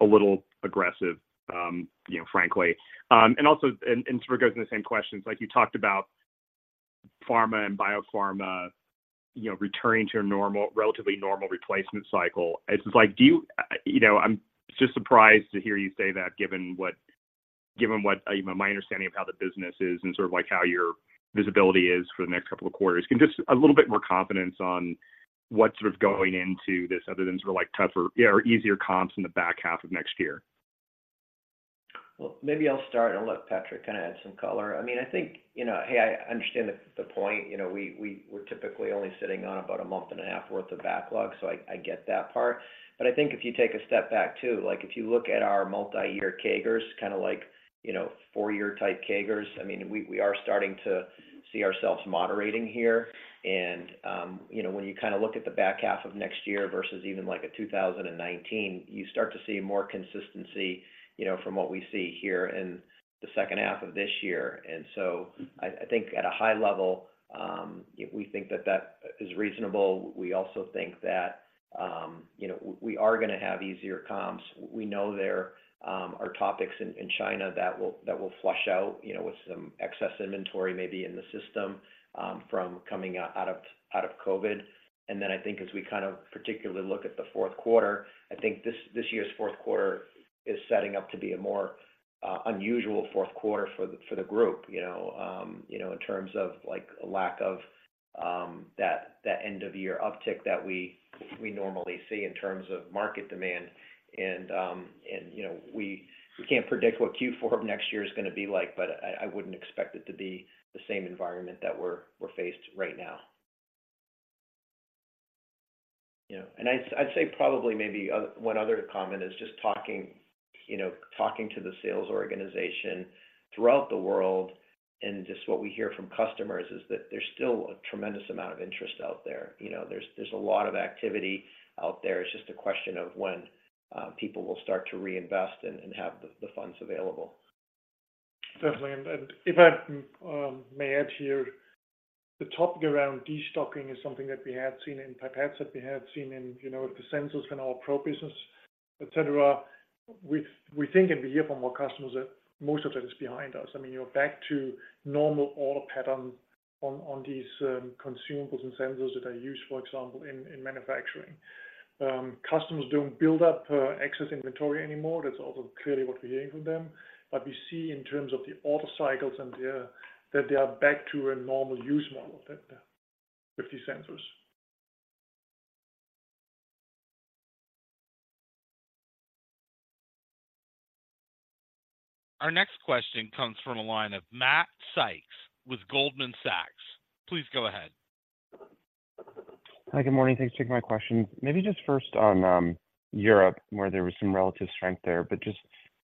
a little aggressive, you know, frankly. And also, sort of goes in the same question, it's like you talked about pharma and biopharma, you know, returning to a normal, relatively normal replacement cycle. It's just like you know, I'm just surprised to hear you say that, given what my understanding of how the business is and sort of like how your visibility is for the next couple of quarters. Can just a little bit more confidence on what sort of going into this other than sort of like tougher, yeah, or easier comps in the back half of next year?... Well, maybe I'll start, and let Patrick kind of add some color. I mean, I think, you know, hey, I understand the point. You know, we're typically only sitting on about a month and a half worth of backlog, so I get that part. But I think if you take a step back, too, like, if you look at our multi-year CAGRs, kind of like, you know, four-year type CAGRs, I mean, we are starting to see ourselves moderating here. And you know, when you kind of look at the back half of next year versus even, like, 2019, you start to see more consistency, you know, from what we see here in the second half of this year. And so I think at a high level, we think that that is reasonable. We also think that, you know, we are going to have easier comps. We know there are topics in China that will flush out, you know, with some excess inventory maybe in the system, from coming out of COVID. And then I think as we kind of particularly look at the fourth quarter, I think this year's fourth quarter is setting up to be a more unusual fourth quarter for the group, you know, in terms of like a lack of that end-of-year uptick that we normally see in terms of market demand. And, you know, we can't predict what Q4 of next year is going to be like, but I wouldn't expect it to be the same environment that we're faced right now. Yeah, and I'd say probably maybe one other comment is just talking, you know, talking to the sales organization throughout the world, and just what we hear from customers is that there's still a tremendous amount of interest out there. You know, there's a lot of activity out there. It's just a question of when people will start to reinvest and have the funds available. Definitely. And if I may add here, the topic around destocking is something that we had seen in pipettes, that we had seen in, you know, the sensors in our process business, et cetera. We think and we hear from our customers that most of that is behind us. I mean, you're back to normal order pattern on these consumables and sensors that are used, for example, in manufacturing. Customers don't build up excess inventory anymore. That's also clearly what we're hearing from them. But we see in terms of the order cycles and the that they are back to a normal use model that with these sensors. Our next question comes from the line of Matt Sykes with Goldman Sachs. Please go ahead. Hi, good morning. Thanks for taking my question. Maybe just first on Europe, where there was some relative strength there, but just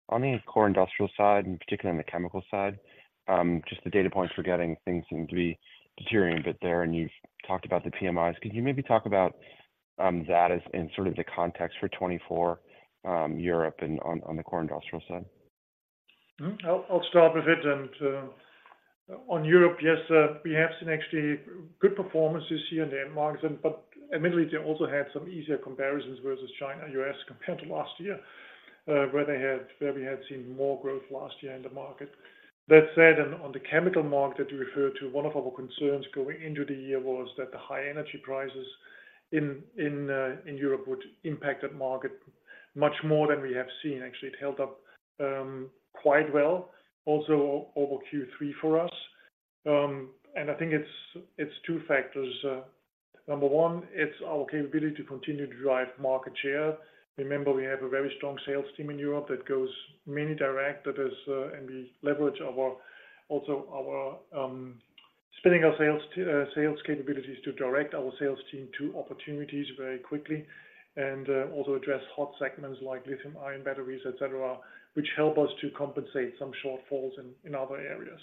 on the core industrial side, and particularly on the chemical side, just the data points we're getting, things seem to be deteriorating a bit there, and you've talked about the PMIs. Could you maybe talk about that as in sort of the context for 2024, Europe and on, on the core industrial side? Mm-hmm. I'll, I'll start with it. And on Europe, yes, we have seen actually good performances here in the end markets, and but admittedly, they also had some easier comparisons versus China, U.S., compared to last year, where we had seen more growth last year in the market. That said, and on the chemical market, you refer to one of our concerns going into the year was that the high energy prices in Europe would impact that market much more than we have seen. Actually, it held up quite well, also over Q3 for us. And I think it's, it's two factors. Number one, it's our capability to continue to drive market share. Remember, we have a very strong sales team in Europe that goes mainly direct, that is... We leverage our Spinnaker sales capabilities to direct our sales team to opportunities very quickly, and also address hot segments like lithium-ion batteries, et cetera, which help us to compensate some shortfalls in other areas.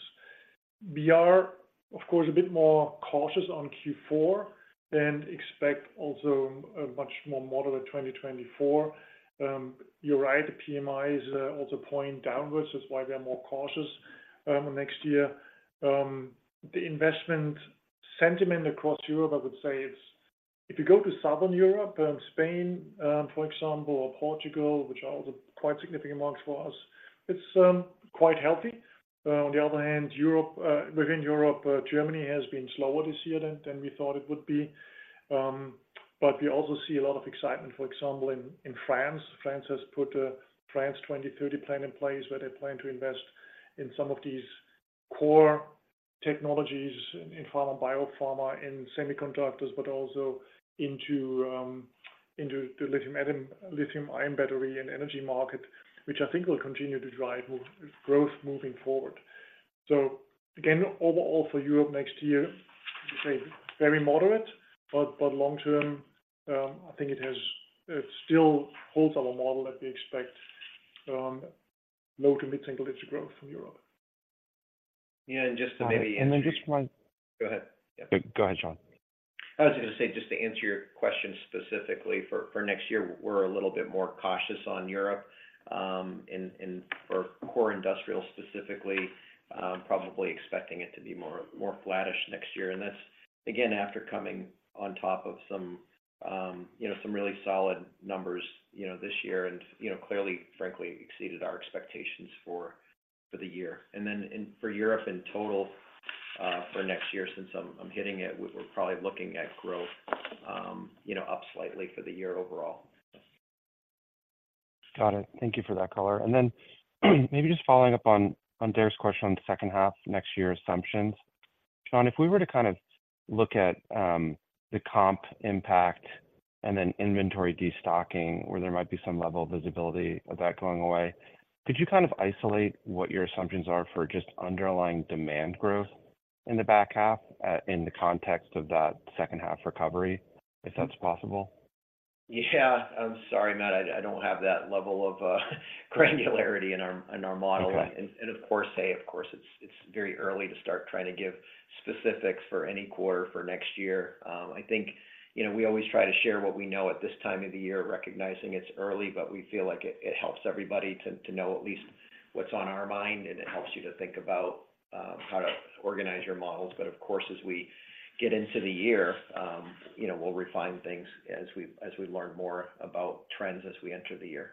We are, of course, a bit more cautious on Q4 than expected, also a much more moderate 2024. You're right, the PMIs also point downwards. That's why we are more cautious next year. The investment sentiment across Europe, I would say it's, if you go to Southern Europe, Spain, for example, or Portugal, which are also quite significant markets for us, it's quite healthy. On the other hand, Europe, within Europe, Germany has been slower this year than we thought it would be. But we also see a lot of excitement, for example, in France. France has put a France 2030 plan in place, where they plan to invest in some of these core technologies in pharma, biopharma, in semiconductors, but also into the lithium-ion battery and energy market, which I think will continue to drive growth moving forward. So again, overall for Europe next year, I would say very moderate, but long term, I think it still holds our model that we expect low to mid-single digit growth from Europe. Yeah, and just to maybe answer- And then just one- Go ahead. Yeah. Go ahead, Shawn. I was just going to say, just to answer your question specifically for next year, we're a little bit more cautious on Europe, for core industrial, specifically, probably expecting it to be more flattish next year. And that's, again, after coming on top of some, you know, some really solid numbers, you know, this year, and, you know, clearly, frankly exceeded our expectations for the year. And then for Europe in total, for next year, since I'm hitting it, we're probably looking at growth, you know, up slightly for the year overall. Got it. Thank you for that color. Then, maybe just following up on Derik's question on the second half next year assumptions. Shawn, if we were to kind of look at the comp impact and then inventory destocking, where there might be some level of visibility of that going away, could you kind of isolate what your assumptions are for just underlying demand growth in the back half, in the context of that second half recovery, if that's possible? Yeah. I'm sorry, Matt, I don't have that level of granularity in our model. Okay. Of course, it's very early to start trying to give specifics for any quarter for next year. I think, you know, we always try to share what we know at this time of the year, recognizing it's early, but we feel like it helps everybody to know at least what's on our mind, and it helps you to think about how to organize your models. But of course, as we get into the year, you know, we'll refine things as we learn more about trends as we enter the year.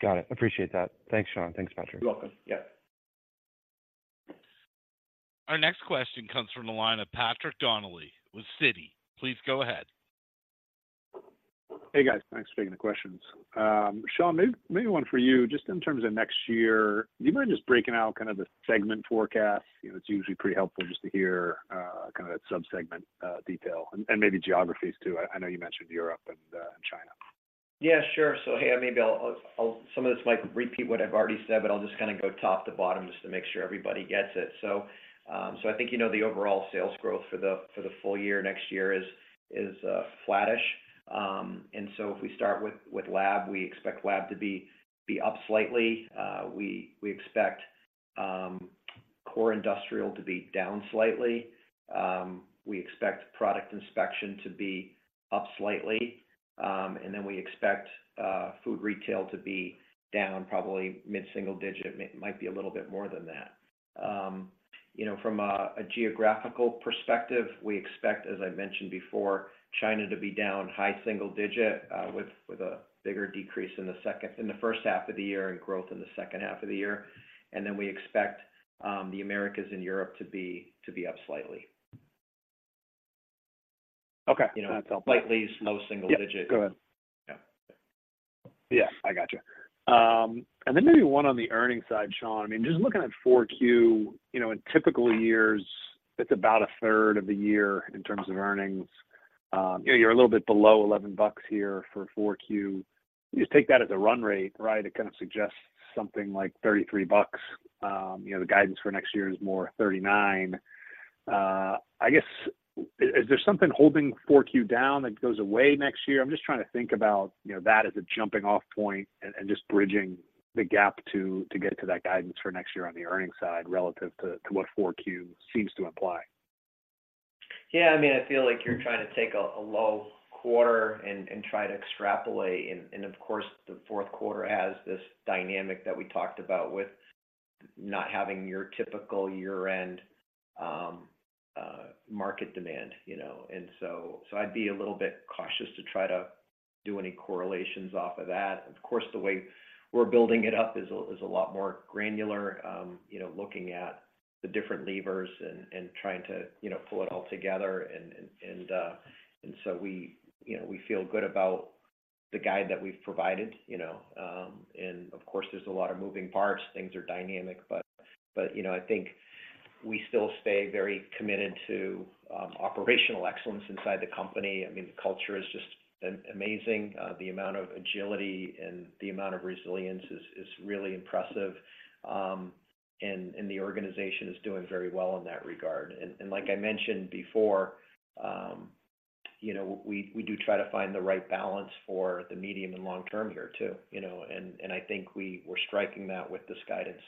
Got it. Appreciate that. Thanks, Shawn. Thanks, Patrick. You're welcome. Yeah. Our next question comes from the line of Patrick Donnelly with Citi. Please go ahead. Hey, guys. Thanks for taking the questions. Shawn, maybe one for you. Just in terms of next year, do you mind just breaking out kind of the segment forecast? You know, it's usually pretty helpful just to hear kind of that sub-segment detail and maybe geographies, too. I know you mentioned Europe and China. Yeah, sure. So, hey, maybe I'll... Some of this might repeat what I've already said, but I'll just kind of go top to bottom just to make sure everybody gets it. So, so I think you know the overall sales growth for the, for the full year, next year is flattish. And so if we start with lab, we expect lab to be up slightly. We expect core industrial to be down slightly. We expect Product Inspection to be up slightly. And then we expect Food Retail to be down probably mid-single digit. Might be a little bit more than that. You know, from a geographical perspective, we expect, as I mentioned before, China to be down high single digit, with a bigger decrease in the first half of the year and growth in the second half of the year. And then we expect, the Americas and Europe to be up slightly. Okay. You know, slightly, low single digit. Yeah, go ahead. Yeah. Yeah, I gotcha. And then maybe one on the earnings side, Shawn. I mean, just looking at 4Q, you know, in typical years, it's about a third of the year in terms of earnings. You know, you're a little bit below $11 here for 4Q. You take that as a run rate, right? It kind of suggests something like $33. You know, the guidance for next year is more $39. I guess, is there something holding 4Q down that goes away next year? I'm just trying to think about, you know, that as a jumping off point and just bridging the gap to get to that guidance for next year on the earnings side, relative to what 4Q seems to imply. Yeah, I mean, I feel like you're trying to take a low quarter and try to extrapolate. And of course, the fourth quarter has this dynamic that we talked about with not having your typical year-end market demand, you know? And so I'd be a little bit cautious to try to do any correlations off of that. Of course, the way we're building it up is a lot more granular, you know, looking at the different levers and trying to pull it all together. And so we, you know, we feel good about the guide that we've provided, you know. And of course, there's a lot of moving parts. Things are dynamic, but you know, I think we still stay very committed to operational excellence inside the company. I mean, the culture is just amazing. The amount of agility and the amount of resilience is really impressive. And the organization is doing very well in that regard. And like I mentioned before, you know, we do try to find the right balance for the medium and long term here too, you know? And I think we're striking that with this guidance.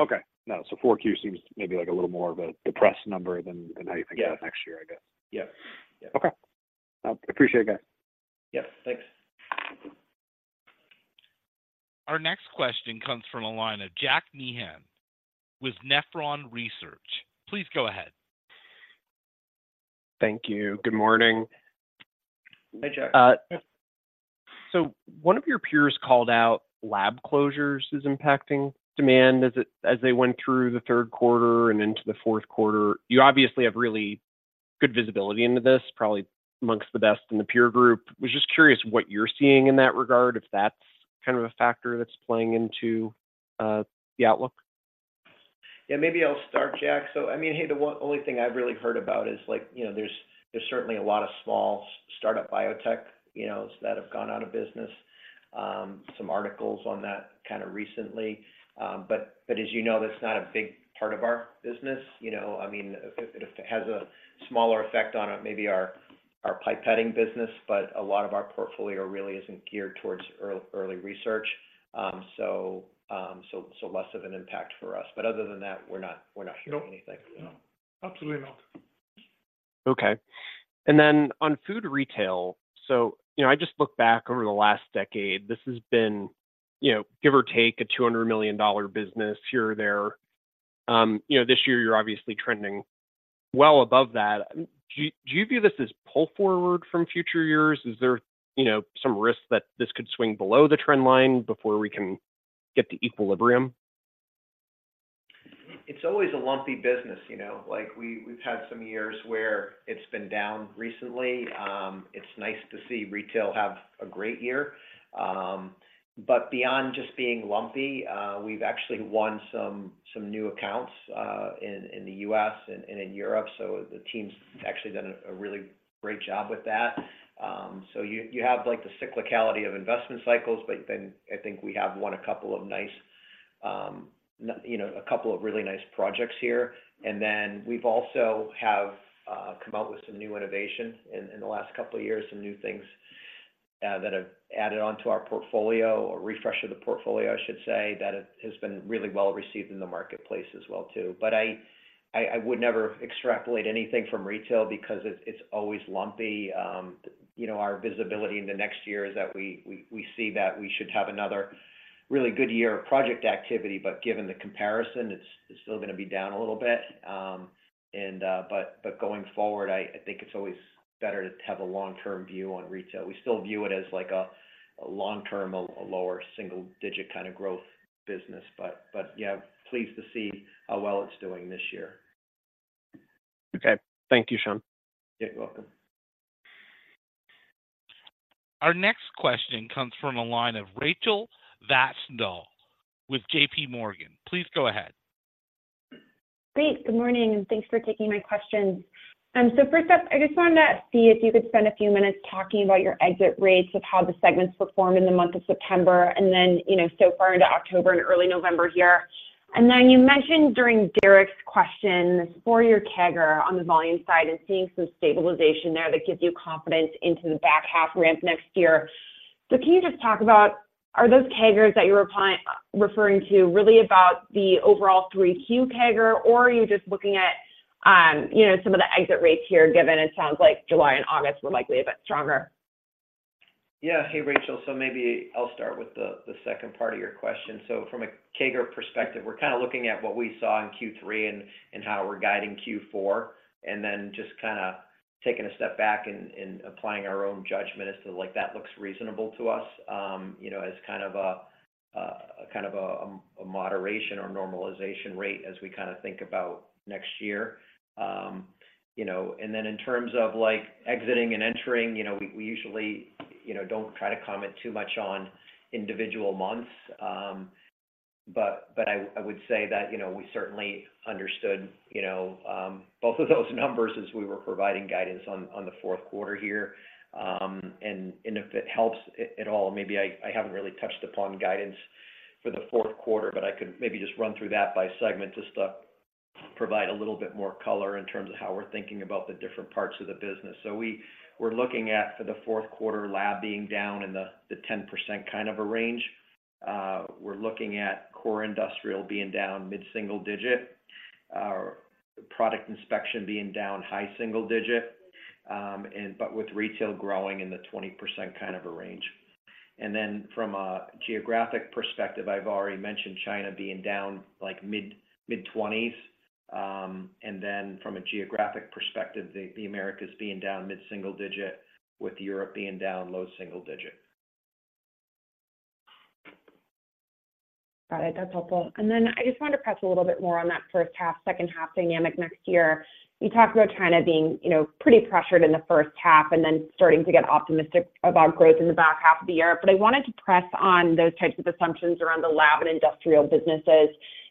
Okay. No, so 4Q seems maybe, like, a little more of a depressed number than how you think- Yeah... of next year, I guess. Yeah. Yeah. Okay. Appreciate it, guys. Yeah, thanks. Our next question comes from the line of Jack Meehan with Nephron Research. Please go ahead. Thank you. Good morning. Hey, Jack. So one of your peers called out lab closures is impacting demand as it, as they went through the third quarter and into the fourth quarter. You obviously have really good visibility into this, probably amongst the best in the peer group. Was just curious what you're seeing in that regard, if that's kind of a factor that's playing into the outlook? Yeah, maybe I'll start, Jack. So, I mean, hey, the only thing I've really heard about is, like, you know, there's certainly a lot of small startup biotech, you know, that have gone out of business. Some articles on that kind of recently. But as you know, that's not a big part of our business, you know? I mean, if it has a smaller effect on maybe our pipetting business, but a lot of our portfolio really isn't geared towards early research. So, less of an impact for us. But other than that, we're not hearing anything. No. Absolutely not. Okay. And then on food retail, so, you know, I just looked back over the last decade. This has been, you know, give or take, a $200 million business here or there. You know, this year you're obviously trending well above that. Do you view this as pull forward from future years? Is there, you know, some risk that this could swing below the trend line before we can get to equilibrium?... It's always a lumpy business, you know. Like, we've had some years where it's been down recently. It's nice to see retail have a great year. But beyond just being lumpy, we've actually won some new accounts in the U.S. and in Europe, so the team's actually done a really great job with that. So you have, like, the cyclicality of investment cycles, but then I think we have won a couple of nice, you know, a couple of really nice projects here. And then we've also have come out with some new innovation in the last couple of years, some new things that have added onto our portfolio, a refresh of the portfolio, I should say, that has been really well-received in the marketplace as well, too. But I would never extrapolate anything from retail because it's always lumpy. You know, our visibility in the next year is that we see that we should have another really good year of project activity, but given the comparison, it's still gonna be down a little bit. But going forward, I think it's always better to have a long-term view on retail. We still view it as, like, a long-term, lower single-digit kind of growth business. But yeah, pleased to see how well it's doing this year. Okay. Thank you, Shawn. You're welcome. Our next question comes from the line of Rachel Vatnsdal with JPMorgan. Please go ahead. Great. Good morning, and thanks for taking my questions. So first up, I just wanted to see if you could spend a few minutes talking about your exit rates of how the segments performed in the month of September, and then, you know, so far into October and early November here. And then you mentioned during Derik's question, 4-year CAGR on the volume side and seeing some stabilization there that gives you confidence into the back half ramp next year. So can you just talk about, are those CAGRs that you were referring to really about the overall 3Q CAGR, or are you just looking at, you know, some of the exit rates here, given it sounds like July and August were likely a bit stronger? Yeah. Hey, Rachel, so maybe I'll start with the second part of your question. So from a CAGR perspective, we're kind of looking at what we saw in Q3 and how we're guiding Q4, and then just kind of taking a step back and applying our own judgment as to, like, that looks reasonable to us, you know, as kind of a moderation or normalization rate as we kind of think about next year. You know, and then in terms of, like, exiting and entering, you know, we usually, you know, don't try to comment too much on individual months. But I would say that, you know, we certainly understood, you know, both of those numbers as we were providing guidance on the fourth quarter here. And if it helps at all, maybe I haven't really touched upon guidance for the fourth quarter, but I could maybe just run through that by segment, just to provide a little bit more color in terms of how we're thinking about the different parts of the business. So we're looking at, for the fourth quarter, lab being down in the 10% kind of a range. We're looking at core industrial being down mid-single digit, product inspection being down high single digit, and but with retail growing in the 20% kind of a range. And then from a geographic perspective, I've already mentioned China being down, like, mid-20s. And then from a geographic perspective, the Americas being down mid-single digit, with Europe being down low single digit. Got it. That's helpful. And then I just wanted to press a little bit more on that first half, second half dynamic next year. You talked about China being, you know, pretty pressured in the first half and then starting to get optimistic about growth in the back half of the year, but I wanted to press on those types of assumptions around the lab and industrial businesses.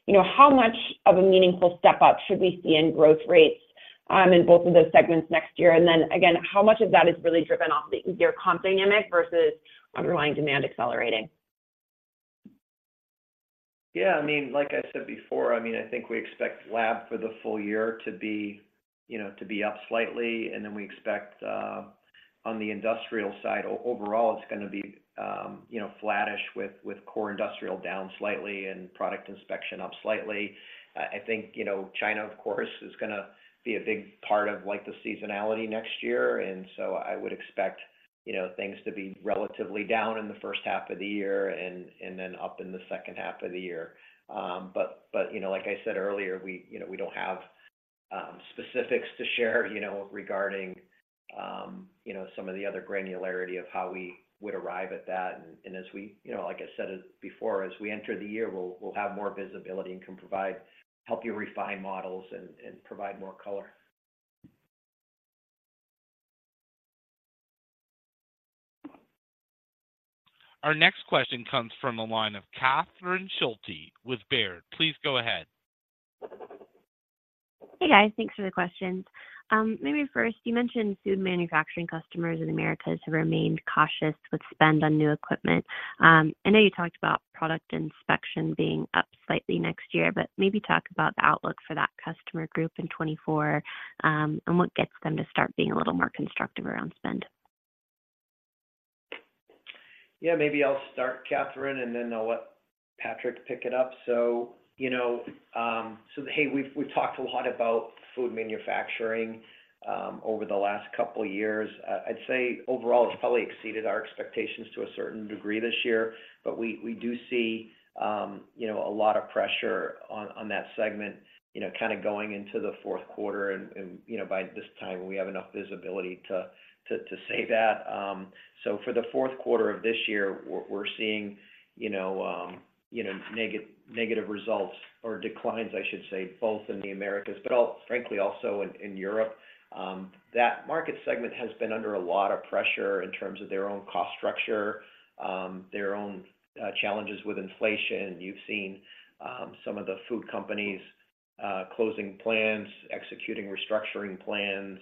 You know, how much of a meaningful step up should we see in growth rates in both of those segments next year? And then, again, how much of that is really driven off the easier comp dynamic versus underlying demand accelerating? Yeah, I mean, like I said before, I mean, I think we expect lab for the full year to be, you know, to be up slightly, and then we expect on the industrial side, overall, it's gonna be, you know, flattish, with core industrial down slightly and product inspection up slightly. I think, you know, China, of course, is gonna be a big part of, like, the seasonality next year, and so I would expect, you know, things to be relatively down in the first half of the year and then up in the second half of the year. But, you know, like I said earlier, we, you know, we don't have specifics to share, you know, regarding some of the other granularity of how we would arrive at that. And as we... You know, like I said it before, as we enter the year, we'll, we'll have more visibility and can provide, help you refine models and, and provide more color. Our next question comes from the line of Catherine Schulte with Baird. Please go ahead. Hey, guys. Thanks for the questions. Maybe first, you mentioned food manufacturing customers in Americas have remained cautious with spend on new equipment. I know you talked about product inspection being up slightly next year, but maybe talk about the outlook for that customer group in 2024, and what gets them to start being a little more constructive around spend? Yeah, maybe I'll start, Catherine, and then I'll let Patrick pick it up. So, you know, so hey, we've talked a lot about food manufacturing over the last couple years. I'd say, overall, it's probably exceeded our expectations to a certain degree this year. But we do see, you know, a lot of pressure on that segment, you know, kind of going into the fourth quarter, and, you know, by this time, we have enough visibility to say that. So for the fourth quarter of this year, we're seeing, you know, negative results or declines, I should say, both in the Americas, but frankly, also in Europe. That market segment has been under a lot of pressure in terms of their own cost structure, their own challenges with inflation. You've seen some of the food companies closing plants, executing restructuring plans.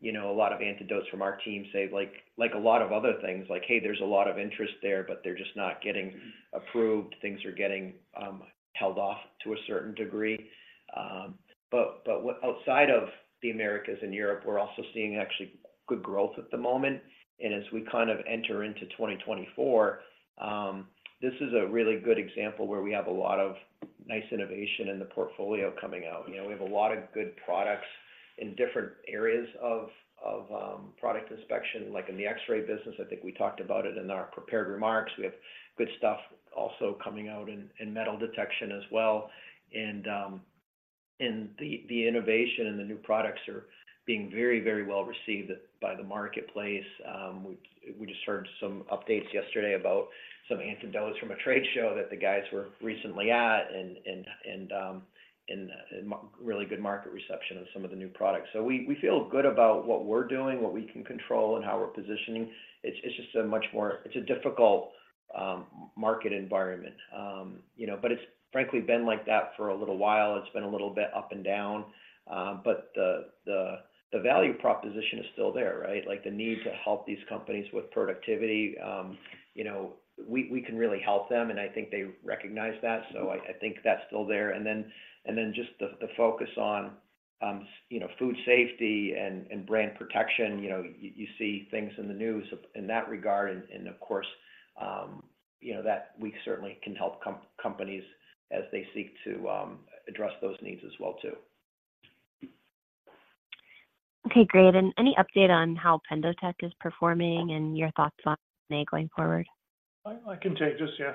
You know, a lot of anecdotes from our team say, like, like a lot of other things, like, "Hey, there's a lot of interest there, but they're just not getting approved. Things are getting held off to a certain degree." But, outside of the Americas and Europe, we're also seeing actually good growth at the moment. And as we kind of enter into 2024, this is a really good example where we have a lot of nice innovation in the portfolio coming out. You know, we have a lot of good products in different areas of product inspection, like in the X-ray business. I think we talked about it in our prepared remarks. We have good stuff also coming out in metal detection as well. The innovation and the new products are being very, very well received by the marketplace. We just heard some updates yesterday about some anecdotes from a trade show that the guys were recently at, and really good market reception of some of the new products. So we feel good about what we're doing, what we can control, and how we're positioning. It's just a much more... It's a difficult market environment. You know, but it's frankly been like that for a little while. It's been a little bit up and down, but the value proposition is still there, right? Like, the need to help these companies with productivity, you know, we can really help them, and I think they recognize that. So I think that's still there. And then just the focus on, you know, food safety and brand protection. You know, you see things in the news in that regard, and of course, you know, that we certainly can help companies as they seek to address those needs as well, too. Okay, great. Any update on how PendoTECH is performing and your thoughts on May going forward? I can take this. Yeah.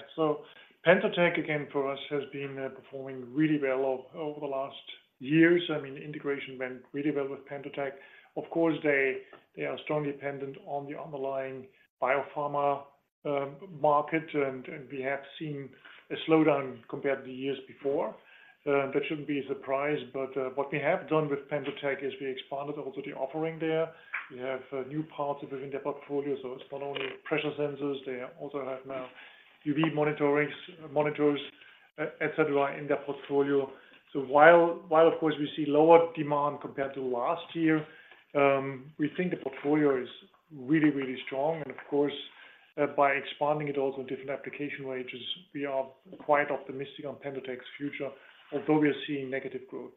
So PendoTECH, again, for us, has been performing really well over the last years. I mean, integration went really well with PendoTECH. Of course, they are strongly dependent on the underlying biopharma market, and we have seen a slowdown compared to the years before. That shouldn't be a surprise, but what we have done with PendoTECH is we expanded also the offering there. We have new parts within their portfolio, so it's not only pressure sensors. They also have now UV monitorings, monitors, et cetera, in their portfolio. So while, of course, we see lower demand compared to last year, we think the portfolio is really, really strong. Of course, by expanding it also in different application ranges, we are quite optimistic on PendoTECH's future, although we are seeing negative growth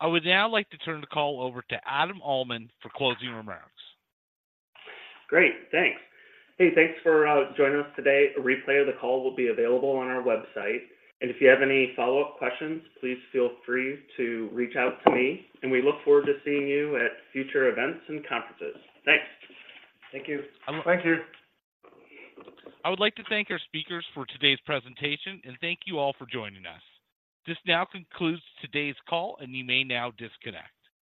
this year. I would now like to turn the call over to Adam Uhlman for closing remarks. Great, thanks. Hey, thanks for joining us today. A replay of the call will be available on our website, and if you have any follow-up questions, please feel free to reach out to me, and we look forward to seeing you at future events and conferences. Thanks. Thank you. Thank you. I would like to thank our speakers for today's presentation, and thank you all for joining us. This now concludes today's call, and you may now disconnect.